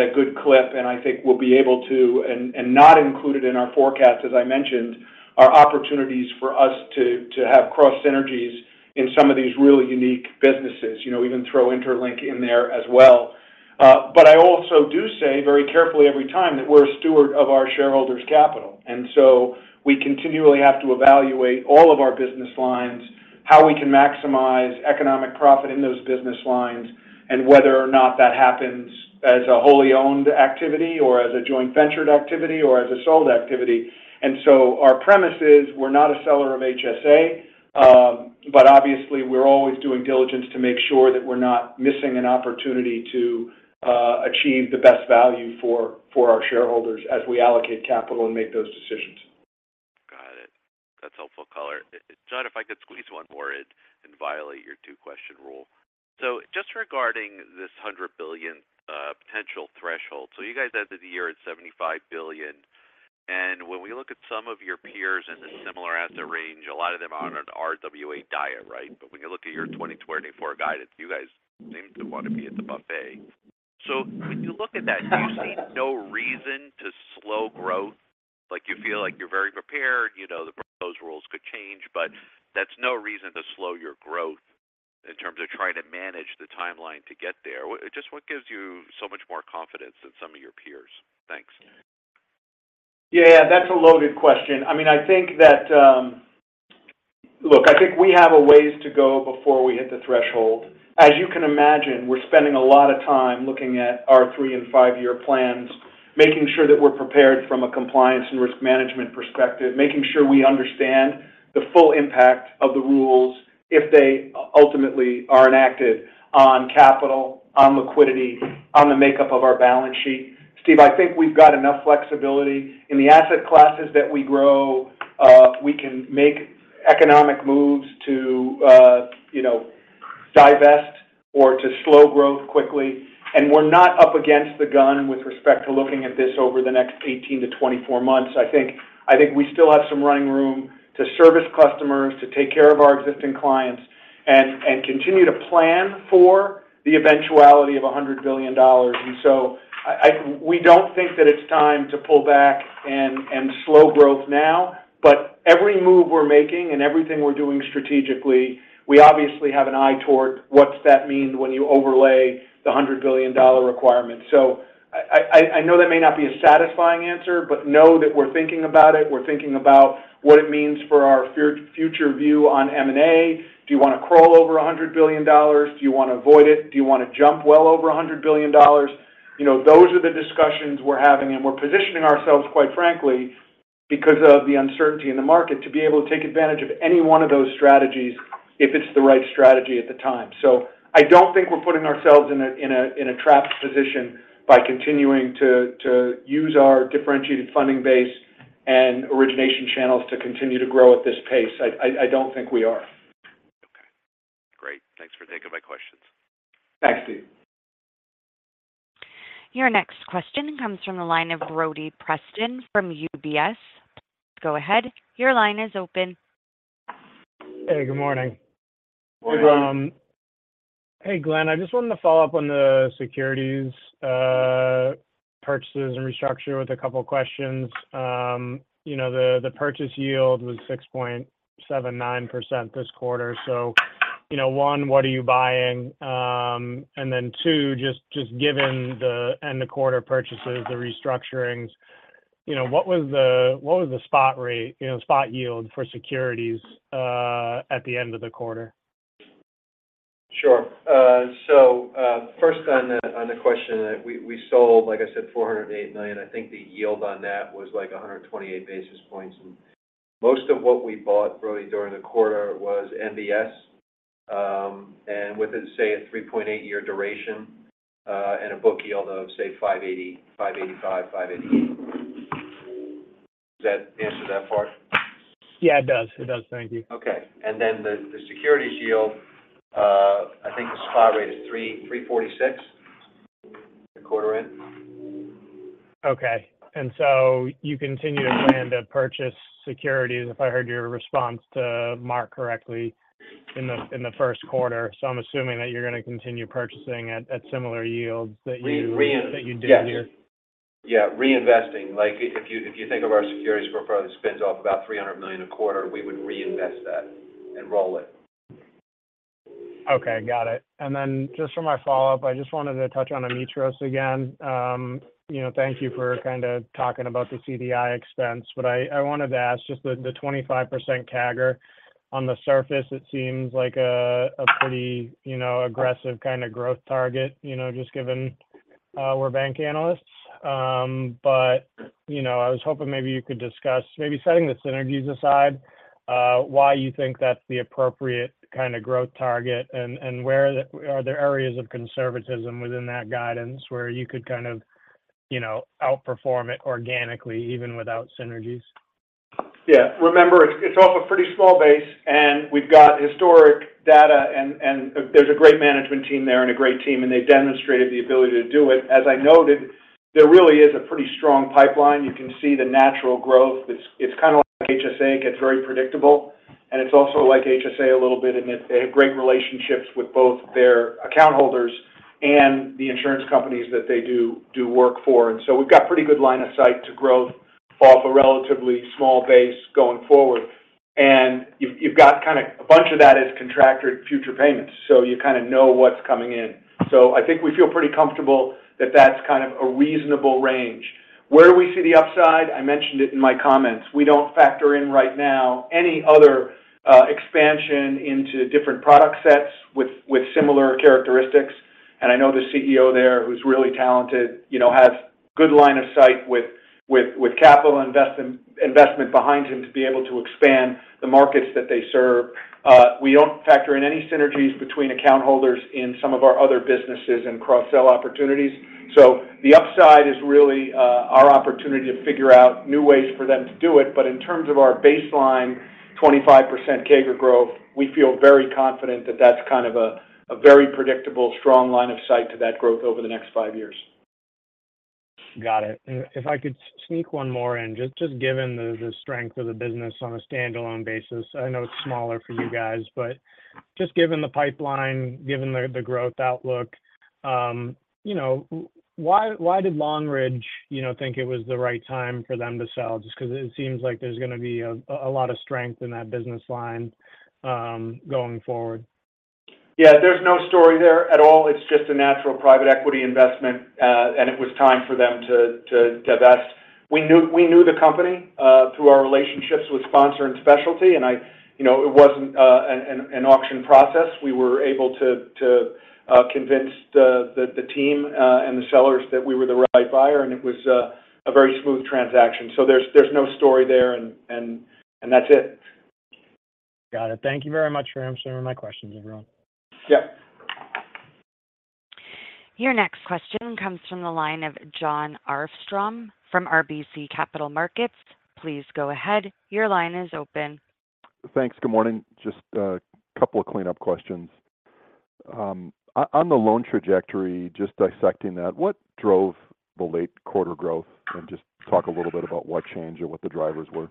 a good clip. And I think we'll be able to, and not included in our forecast, as I mentioned, are opportunities for us to have cross synergies in some of these really unique businesses. You know, even throw interLINK in there as well. But I also do say very carefully every time that we're a steward of our shareholders' capital. And so we continually have to evaluate all of our business lines, how we can maximize economic profit in those business lines, and whether or not that happens as a wholly owned activity, or as a joint ventured activity, or as a sold activity. And so our premise is we're not a seller of HSA, but obviously we're always doing diligence to make sure that we're not missing an opportunity to achieve the best value for our shareholders as we allocate capital and make those decisions. Got it. That's helpful color. John, if I could squeeze one more in and violate your two-question rule. So just regarding this $100 billion, potential threshold. So you guys ended the year at $75 billion, and when we look at some of your peers in the similar asset range, a lot of them are on an RWA diet, right? But when you look at your 2024 guidance, you guys seem to want to be at the buffet. So when you look at that, do you see no reason to slow growth? Like, you feel like you're very prepared, you know, the proposed rules could change, but that's no reason to slow your growth in terms of trying to manage the timeline to get there. Just what gives you so much more confidence than some of your peers? Thanks. Yeah, that's a loaded question. I mean, I think that, Look, I think we have a ways to go before we hit the threshold. As you can imagine, we're spending a lot of time looking at our three- and five-year plans, making sure that we're prepared from a compliance and risk management perspective, making sure we understand the full impact of the rules, if they ultimately are enacted on capital, on liquidity, on the makeup of our balance sheet. Steve, I think we've got enough flexibility. In the asset classes that we grow, we can make economic moves to, you know, divest or to slow growth quickly, and we're not up against the gun with respect to looking at this over the next 18-24 months. I think, I think we still have some running room to service customers, to take care of our existing clients, and continue to plan for the eventuality of $100 billion. And so I we don't think that it's time to pull back and slow growth now, but every move we're making and everything we're doing strategically, we obviously have an eye toward what's that mean when you overlay the $100 billion requirement. So I know that may not be a satisfying answer, but know that we're thinking about it. We're thinking about what it means for our future view on M&A. Do you want to crawl over $100 billion? Do you want to avoid it? Do you want to jump well over $100 billion? You know, those are the discussions we're having, and we're positioning ourselves, quite frankly, because of the uncertainty in the market, to be able to take advantage of any one of those strategies if it's the right strategy at the time. So I don't think we're putting ourselves in a trapped position by continuing to use our differentiated funding base and origination channels to continue to grow at this pace. I don't think we are. Okay. Great. Thanks for taking my questions. Thanks, Steve. Your next question comes from the line of Brody Preston from UBS. Go ahead. Your line is open. Hey, good morning. Morning. Hey, Glenn. I just wanted to follow up on the securities, purchases and restructure with a couple questions. You know, the purchase yield was 6.79% this quarter. So, you know, one, what are you buying? And then two, just given the end of quarter purchases, the restructurings, you know, what was the spot rate, you know, spot yield for securities, at the end of the quarter? Sure. So, first on the question, we sold, like I said, $408 million. I think the yield on that was, like, 128 basis points. And most of what we bought really during the quarter was MBS, and with it, say, a 3.8-year duration, and a book yield of, say, 5.80%, 5.85%, 5.88%. Does that answer that part? Yeah, it does. It does. Thank you. Okay. Then the securities yield, I think the spot rate is 3.346% the quarter in. Okay. And so you continue to plan to purchase securities, if I heard your response to Mark correctly, in the first quarter. So I'm assuming that you're going to continue purchasing at similar yields that you did here. Yes. Yeah, reinvesting. Like, if you, if you think of our securities portfolio spins off about $300 million a quarter, we would reinvest that and roll it. Okay, got it. And then just for my follow-up, I just wanted to touch on Ametros again. You know, thank you for kind of talking about the CDI expense. What I, I wanted to ask, just the, the 25% CAGR. On the surface, it seems like a, a pretty, you know, aggressive kind of growth target, you know, just given, we're bank analysts. But, you know, I was hoping maybe you could discuss, maybe setting the synergies aside, why you think that's the appropriate kind of growth target? And, and where are there areas of conservatism within that guidance, where you could kind of, you know, outperform it organically, even without synergies? Yeah. Remember, it's, it's off a pretty small base, and we've got historic data, and, and there's a great management team there and a great team, and they've demonstrated the ability to do it. As I noted, there really is a pretty strong pipeline. You can see the natural growth. It's, it's kind of like HSA, it gets very predictable, and it's also like HSA a little bit in that they have great relationships with both their account holders and the insurance companies that they do, do work for. And so we've got pretty good line of sight to growth off a relatively small base going forward. And you've, you've got kind of a bunch of that is contracted future payments, so you kind of know what's coming in. So I think we feel pretty comfortable that that's kind of a reasonable range. Where we see the upside, I mentioned it in my comments. We don't factor in right now any other expansion into different product sets with similar characteristics. And I know the CEO there, who's really talented, you know, has good line of sight with capital investment behind him to be able to expand the markets that they serve. We don't factor in any synergies between account holders in some of our other businesses and cross-sell opportunities. So the upside is really our opportunity to figure out new ways for them to do it. But in terms of our baseline, 25% CAGR growth, we feel very confident that that's kind of a very predictable, strong line of sight to that growth over the next five years. Got it. If I could sneak one more in. Just, just given the, the strength of the business on a standalone basis, I know it's smaller for you guys, but just given the pipeline, given the, the growth outlook, you know, why, why did Long Ridge, you know, think it was the right time for them to sell? Just 'cause it seems like there's going to be a, a lot of strength in that business line, going forward. Yeah, there's no story there at all. It's just a natural private equity investment, and it was time for them to divest. We knew the company through our relationships with sponsor and specialty, and you know, it wasn't an auction process. We were able to convince the team and the sellers that we were the right buyer, and it was a very smooth transaction. So there's no story there, and that's it. Got it. Thank you very much for answering my questions, everyone. Yep. Your next question comes from the line of Jon Arfstrom from RBC Capital Markets. Please go ahead. Your line is open. Thanks. Good morning. Just a couple of cleanup questions. On the loan trajectory, just dissecting that, what drove the late quarter growth? Just talk a little bit about what changed or what the drivers were.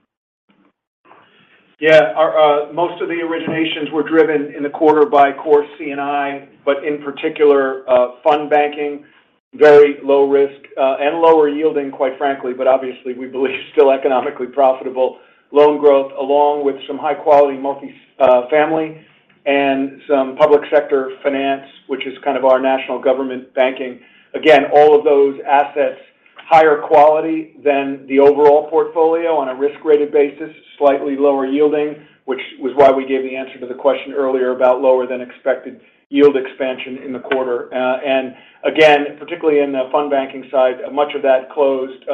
Yeah, our, most of the originations were driven in the quarter by core C&I, but in particular, fund banking, very low risk, and lower yielding, quite frankly, but obviously, we believe still economically profitable. Loan growth, along with some high quality multifamily and some public sector finance, which is kind of our national government banking. Again, all of those assets, higher quality than the overall portfolio on a risk-rated basis, slightly lower yielding, which was why we gave the answer to the question earlier about lower than expected yield expansion in the quarter. And again, particularly in the fund banking side, much of that closed,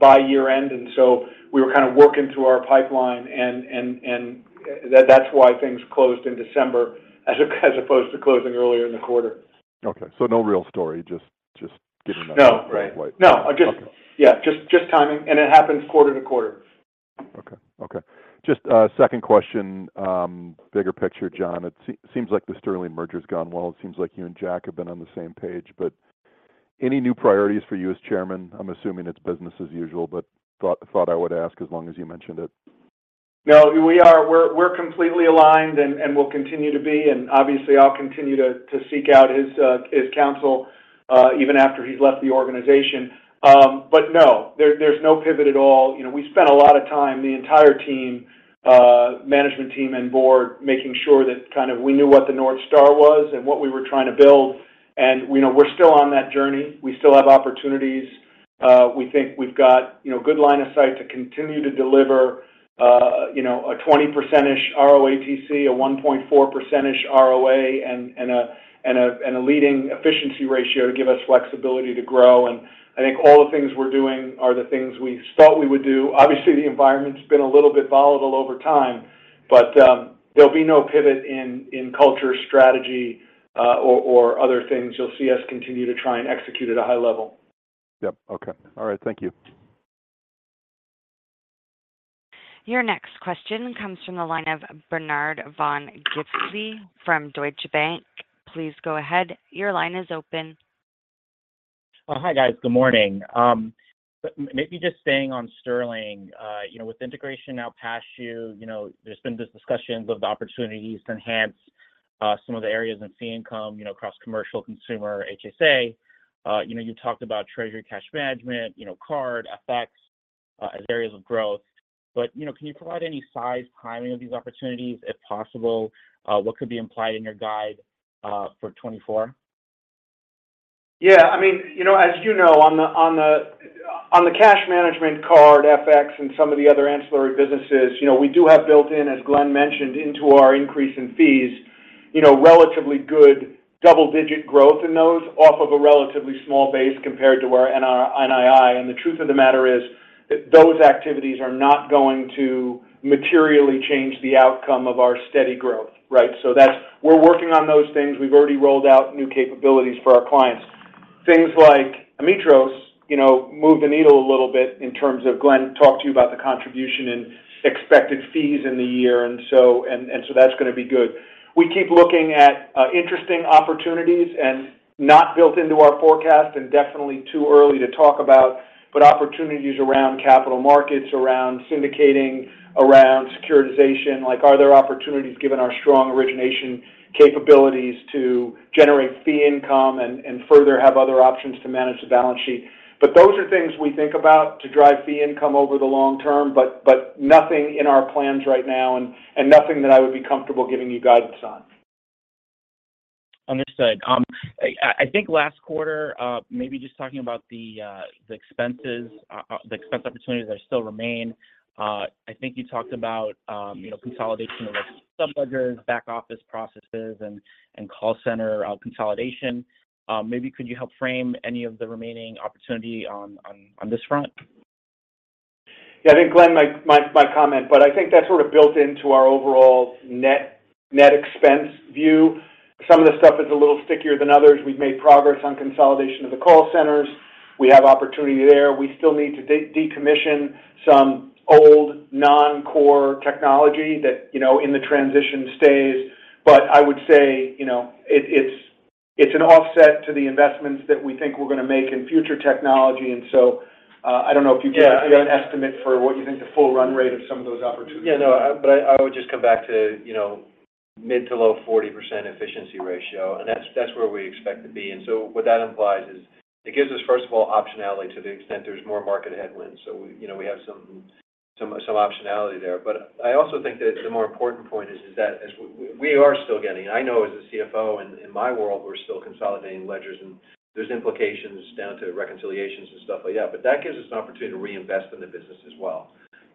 by year-end, and so we were kind of working through our pipeline and, and, and that's why things closed in December, as opposed to closing earlier in the quarter. Okay. So no real story, just getting that— No, right. Right. No, just— Okay. Yeah, just, just timing, and it happens quarter-to-quarter. Okay. Okay. Just a second question, bigger picture, John. It seems like the Sterling merger's gone well. It seems like you and Jack have been on the same page, but any new priorities for you as chairman? I'm assuming it's business as usual, but thought I would ask, as long as you mentioned it. No, we're completely aligned and we'll continue to be, and obviously, I'll continue to seek out his counsel even after he's left the organization. But no, there's no pivot at all. You know, we spent a lot of time, the entire team, management team and board, making sure that kind of we knew what the North Star was and what we were trying to build, and, you know, we're still on that journey. We still have opportunities. We think we've got, you know, good line of sight to continue to deliver, you know, a 20% ROATC, a 1.4% ROA, and a leading efficiency ratio to give us flexibility to grow. And I think all the things we're doing are the things we thought we would do. Obviously, the environment's been a little bit volatile over time, but there'll be no pivot in culture, strategy, or other things. You'll see us continue to try and execute at a high level. Yep. Okay. All right, thank you. Your next question comes from the line of Bernard von Gizycki from Deutsche Bank. Please go ahead. Your line is open. Oh, hi, guys. Good morning. Maybe just staying on Sterling, you know, with integration now past you, you know, there's been this discussions of the opportunities to enhance some of the areas in fee income, you know, across Commercial, Consumer, HSA. You know, you talked about treasury cash management, you know, card, FX, as areas of growth, but, you know, can you provide any size, timing of these opportunities, if possible? What could be implied in your guide for 2024? Yeah, I mean, you know, as you know, on the cash management card, FX, and some of the other ancillary businesses, you know, we do have built in, as Glenn mentioned, into our increase in fees, you know, relatively good double-digit growth in those off of a relatively small base compared to our NII. And the truth of the matter is, that those activities are not going to materially change the outcome of our steady growth, right? So that's. We're working on those things. We've already rolled out new capabilities for our clients. Things like Ametros, you know, move the needle a little bit in terms of Glenn talked to you about the contribution and expected fees in the year, and so that's going to be good. We keep looking at interesting opportunities and not built into our forecast and definitely too early to talk about, but opportunities around capital markets, around syndicating, around securitization. Like, are there opportunities, given our strong origination capabilities, to generate fee income and further have other options to manage the balance sheet? But those are things we think about to drive fee income over the long term, but nothing in our plans right now and nothing that I would be comfortable giving you guidance on. Understood. I think last quarter, maybe just talking about the expenses, the expense opportunities that still remain, I think you talked about, you know, consolidation of subledgers, back office processes, and call center consolidation. Maybe could you help frame any of the remaining opportunity on this front? Yeah, I think, Glenn, my comment, but I think that's sort of built into our overall net expense view. Some of the stuff is a little stickier than others. We've made progress on consolidation of the call centers. We have opportunity there. We still need to decommission some old non-core technology that, you know, in the transition stays. But I would say, you know, it's an offset to the investments that we think we're going to make in future technology. And so, I don't know if you give an estimate for what you think the full run rate of some of those opportunities are. Yeah, no, but I would just come back to, you know, mid- to low-40% efficiency ratio, and that's where we expect to be. And so what that implies is it gives us, first of all, optionality to the extent there's more market headwinds. So we, you know, we have some optionality there. But I also think that the more important point is that as we are still getting. I know as a CFO in my world, we're still consolidating ledgers, and there's implications down to reconciliations and stuff like that. But that gives us an opportunity to reinvest in the business as well.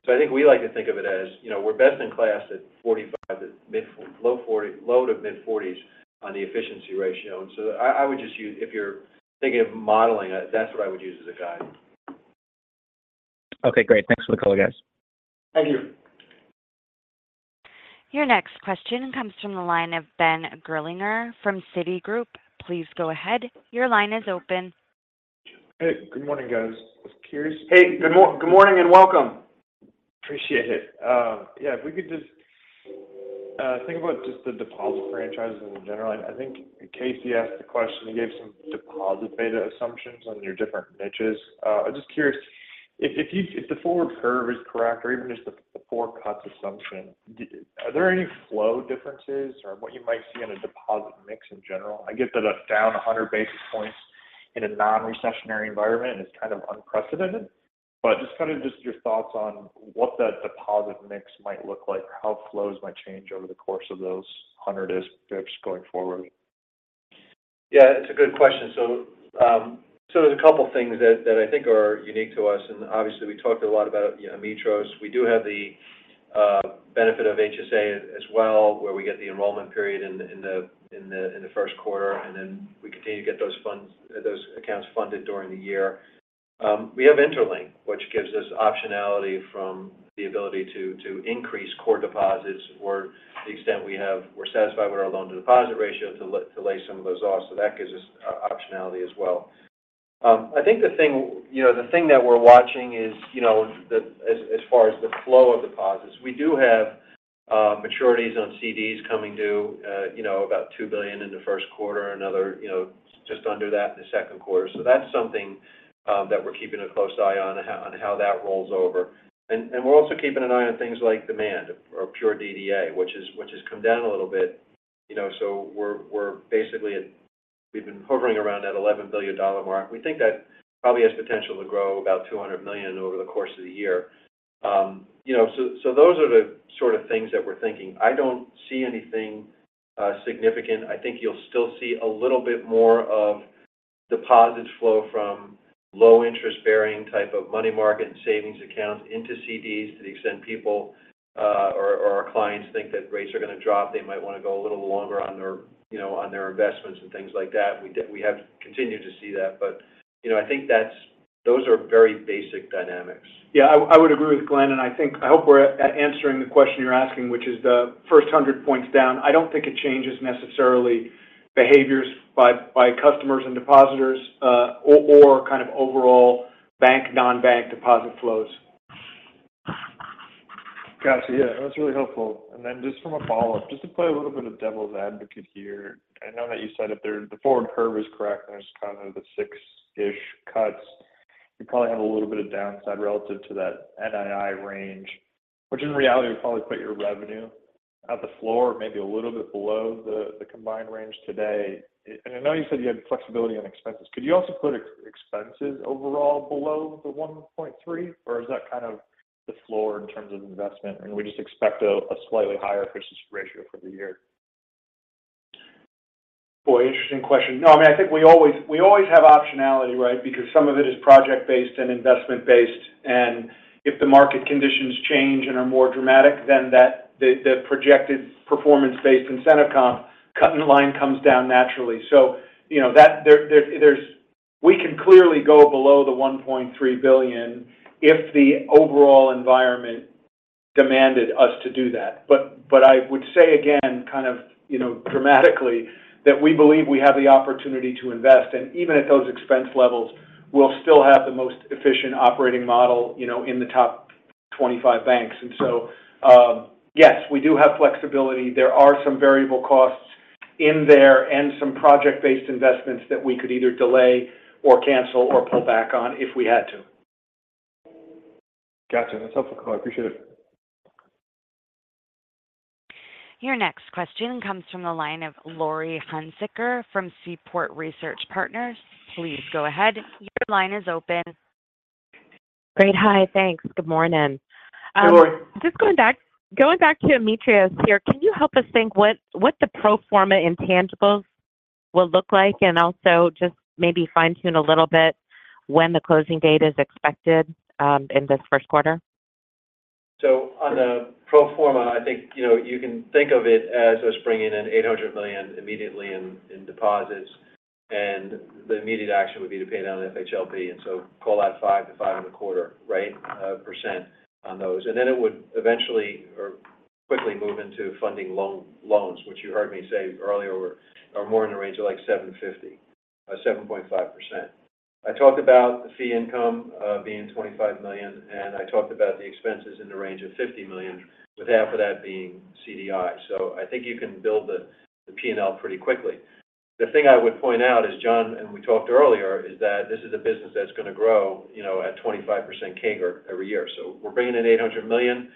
So I think we like to think of it as, you know, we're best-in-class at 40, at mid- to low-40, low- to mid-40s on the efficiency ratio. And so I would just use, if you're thinking of modeling it, that's what I would use as a guide. Okay, great. Thanks for the call, guys. Thank you. Your next question comes from the line of Ben Gerlinger from Citigroup. Please go ahead. Your line is open. Hey, good morning, guys. Just curious— Hey, good morning and welcome. Appreciate it. Yeah, if we could just think about just the deposit franchises in general. I think Casey asked the question, you gave some deposit beta assumptions on your different niches. I'm just curious, if you—if the forward curve is correct or even just the four cuts assumption, are there any flow differences or what you might see on a deposit mix in general? I get that a down 100 basis points in a non-recessionary environment is kind of unprecedented, but just kind of just your thoughts on what that deposit mix might look like or how flows might change over the course of those 100-ish basis points going forward. Yeah, it's a good question. So, so there's a couple things that I think are unique to us, and obviously, we talked a lot about, you know, Ametros. We do have the benefit of HSA as well, where we get the enrollment period in the first quarter, and then we continue to get those funds, those accounts funded during the year. We have interLINK, which gives us optionality from the ability to increase core deposits or to the extent we're satisfied with our loan-to-deposit ratio to lay some of those off. So that gives us optionality as well. I think the thing, you know, the thing that we're watching is, you know, as far as the flow of deposits, we do have maturities on CDs coming due, you know, about $2 billion in the first quarter, another, you know, just under that in the second quarter. So that's something that we're keeping a close eye on, on how that rolls over. And we're also keeping an eye on things like demand or pure DDA, which has come down a little bit, you know, so we're basically at. We've been hovering around that $11 billion mark. We think that probably has potential to grow about $200 million over the course of the year. You know, so those are the sort of things that we're thinking. I don't see anything significant. I think you'll still see a little bit more of deposits flow from low interest-bearing type of money market and savings accounts into CDs. To the extent people, or our clients think that rates are going to drop, they might want to go a little longer on their, you know, on their investments and things like that. We have continued to see that, but, you know, I think that's, those are very basic dynamics. Yeah, I would agree with Glenn, and I think—I hope we're answering the question you're asking, which is the first 100 basis points down. I don't think it changes necessarily behaviors by customers and depositors, or kind of overall bank, non-bank deposit flows. Got you. Yeah, that's really helpful. And then just from a follow-up, just to play a little bit of devil's advocate here. I know that you said if the forward curve is correct, there's kind of the six-ish cuts. You probably have a little bit of downside relative to that NII range, which in reality, would probably put your revenue at the floor, maybe a little bit below the combined range today. And I know you said you had flexibility on expenses. Could you also put expenses overall below the $1.3 billion, or is that kind of the floor in terms of investment, and we just expect a slightly higher versus ratio for the year? Boy, interesting question. No, I mean, I think we always have optionality, right? Because some of it is project-based and investment-based, and if the market conditions change and are more dramatic, then the projected performance-based incentive comp cut line comes down naturally. So, you know, there's—we can clearly go below the $1.3 billion if the overall environment demanded us to do that. But I would say again, kind of, you know, dramatically, that we believe we have the opportunity to invest, and even at those expense levels, we'll still have the most efficient operating model, you know, in the top 25 banks. And so, yes, we do have flexibility. There are some variable costs in there and some project-based investments that we could either delay or cancel or pull back on if we had to. Got you. That's helpful. I appreciate it. Your next question comes from the line of Laurie Hunsicker from Seaport Research Partners. Please go ahead. Your line is open. Great. Hi. Thanks. Good morning. Good morning. Just going back, going back to Ametros here, can you help us think what the pro forma intangibles will look like? And also just maybe fine-tune a little bit when the closing date is expected in this first quarter. So on the pro forma, I think, you know, you can think of it as us bringing in $800 million immediately in deposits, and the immediate action would be to pay down the FHLB, and so call that 5%-5.25%, right, percent on those. And then it would eventually or quickly move into funding loans, which you heard me say earlier, are more in the range of like 7.50, 7.5%. I talked about the fee income being $25 million, and I talked about the expenses in the range of $50 million, with half of that being CDI. So I think you can build the P&L pretty quickly. The thing I would point out is, John, and we talked earlier, is that this is a business that's going to grow, you know, at 25% CAGR every year. So we're bringing in $800 million.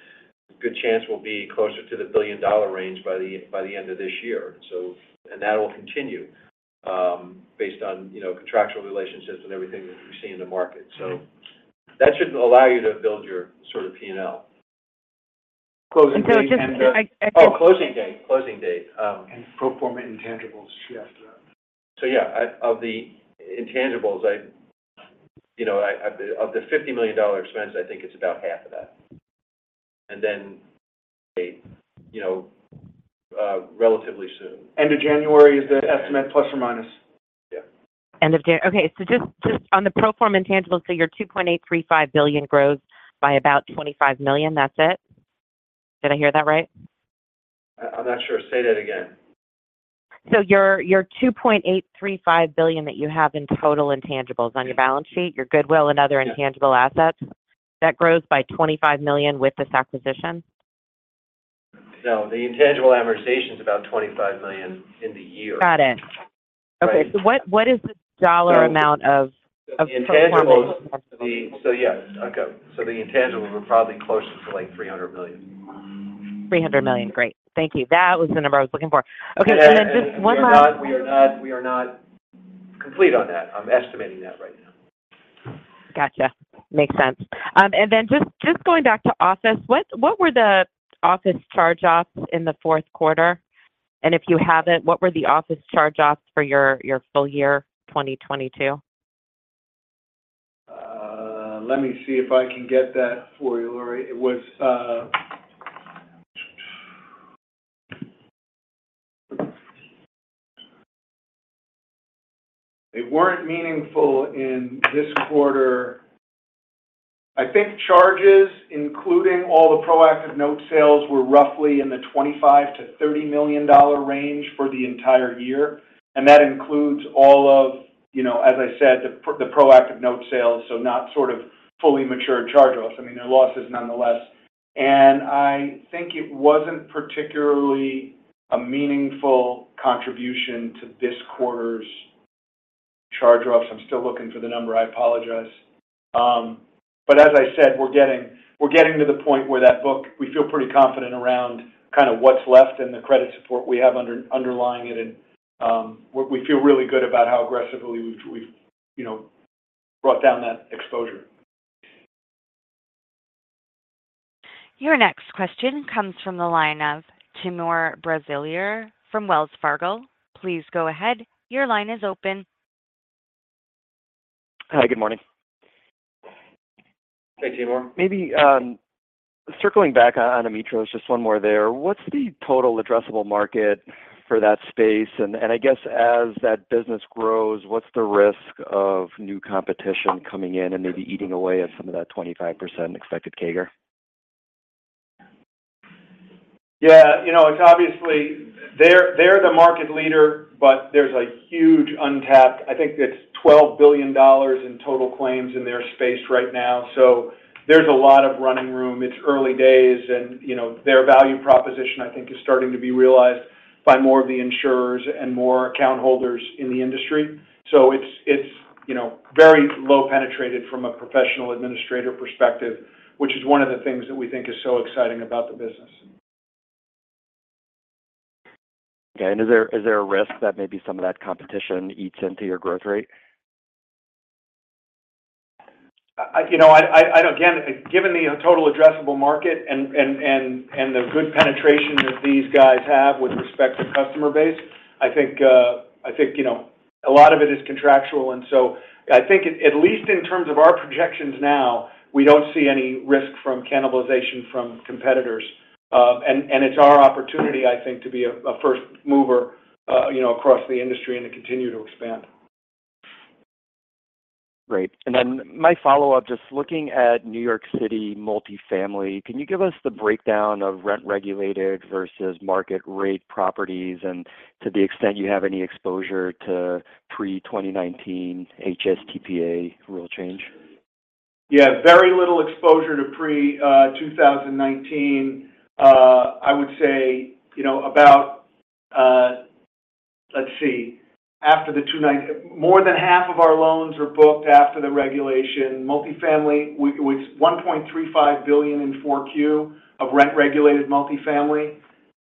Good chance we'll be closer to the billion-dollar range by the end of this year. So, and that will continue, based on, you know, contractual relationships and everything that we see in the market. So that should allow you to build your sort of P&L. So just, I— Closing date. Oh, closing date. Closing date. And pro forma intangibles, yes. So yeah, of the intangibles, you know, of the $50 million expense, I think it's about half of that. And then, you know, relatively soon. End of January is the estimate, plus or minus. Yeah. End of January, okay, so just on the pro forma intangibles, so your $2.835 billion grows by about $25 million. That's it? Did I hear that right? I'm not sure. Say that again. So your $2.835 billion that you have in total intangibles on your balance sheet, your goodwill and other— Yeah. Intangible assets, that grows by $25 million with this acquisition? No, the intangible amortization is about $25 million in the year. Got it. Right. Okay, so what is the dollar amount of pro forma? So the intangibles, so yes. Okay. So the intangibles are probably closer to, like, $300 million. $300 million. Great. Thank you. That was the number I was looking for. Okay, and then just one last— We are not complete on that. I'm estimating that right now. Gotcha. Makes sense. And then just going back to office, what were the office charge-offs in the fourth quarter? And if you haven't, what were the office charge-offs for your full year, 2022? Let me see if I can get that for you, Laurie. It was—they weren't meaningful in this quarter. I think charges, including all the proactive note sales, were roughly in the $25 million-$30 million range for the entire year, and that includes all of, you know, as I said, the proactive note sales, so not sort of fully mature charge-offs. I mean, they're losses nonetheless, and I think it wasn't particularly a meaningful contribution to this quarter's charge-offs. I'm still looking for the number. I apologize. But as I said, we're getting to the point where that book, we feel pretty confident around kind of what's left and the credit support we have underlying it. And, we feel really good about how aggressively we've, you know, brought down that exposure. Your next question comes from the line of Timur Braziler from Wells Fargo. Please go ahead. Your line is open. Hi, good morning. Hey, Timur. Maybe, circling back on Ametros, just one more there. What's the total addressable market for that space? And, I guess as that business grows, what's the risk of new competition coming in and maybe eating away at some of that 25% expected CAGR? Yeah, you know, it's obviously they're, they're the market leader, but there's a huge untapped, I think it's $12 billion in total claims in their space right now. So there's a lot of running room. It's early days and, you know, their value proposition, I think, is starting to be realized by more of the insurers and more account holders in the industry. So it's, it's, you know, very low penetrated from a professional administrator perspective, which is one of the things that we think is so exciting about the business. Okay. Is there, is there a risk that maybe some of that competition eats into your growth rate? You know, again, given the total addressable market and the good penetration that these guys have with respect to customer base, I think, I think, you know, a lot of it is contractual. And so I think at least in terms of our projections now, we don't see any risk from cannibalization from competitors. And it's our opportunity, I think, to be a first mover, you know, across the industry and to continue to expand. Great. And then my follow-up, just looking at New York City multifamily, can you give us the breakdown of rent-regulated versus market-rate properties, and to the extent you have any exposure to pre-2019 HSTPA rule change? Yeah, very little exposure to pre-2019. I would say, you know, about, let's see, after 2019—more than half of our loans were booked after the regulation. Multifamily, which, which $1.35 billion in 4Q of rent-regulated multifamily,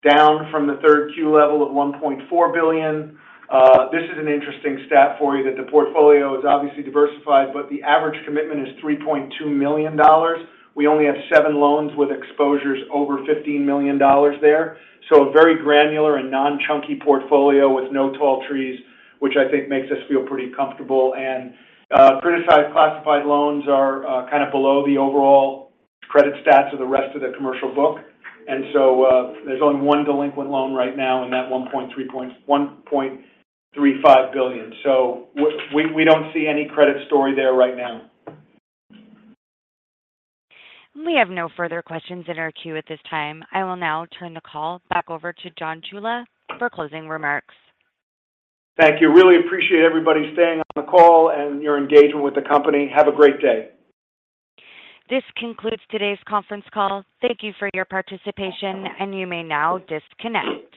down from the 3Q level of $1.4 billion. This is an interesting stat for you, that the portfolio is obviously diversified, but the average commitment is $3.2 million. We only have seven loans with exposures over $15 million there. So a very granular and non-chunky portfolio with no tall trees, which I think makes us feel pretty comfortable. And, criticized classified loans are, kind of below the overall credit stats of the rest of the commercial book. And so, there's only one delinquent loan right now in that $1.35 billion. So we don't see any credit story there right now. We have no further questions in our queue at this time. I will now turn the call back over to John Ciulla for closing remarks. Thank you. Really appreciate everybody staying on the call and your engagement with the company. Have a great day. This concludes today's conference call. Thank you for your participation, and you may now disconnect.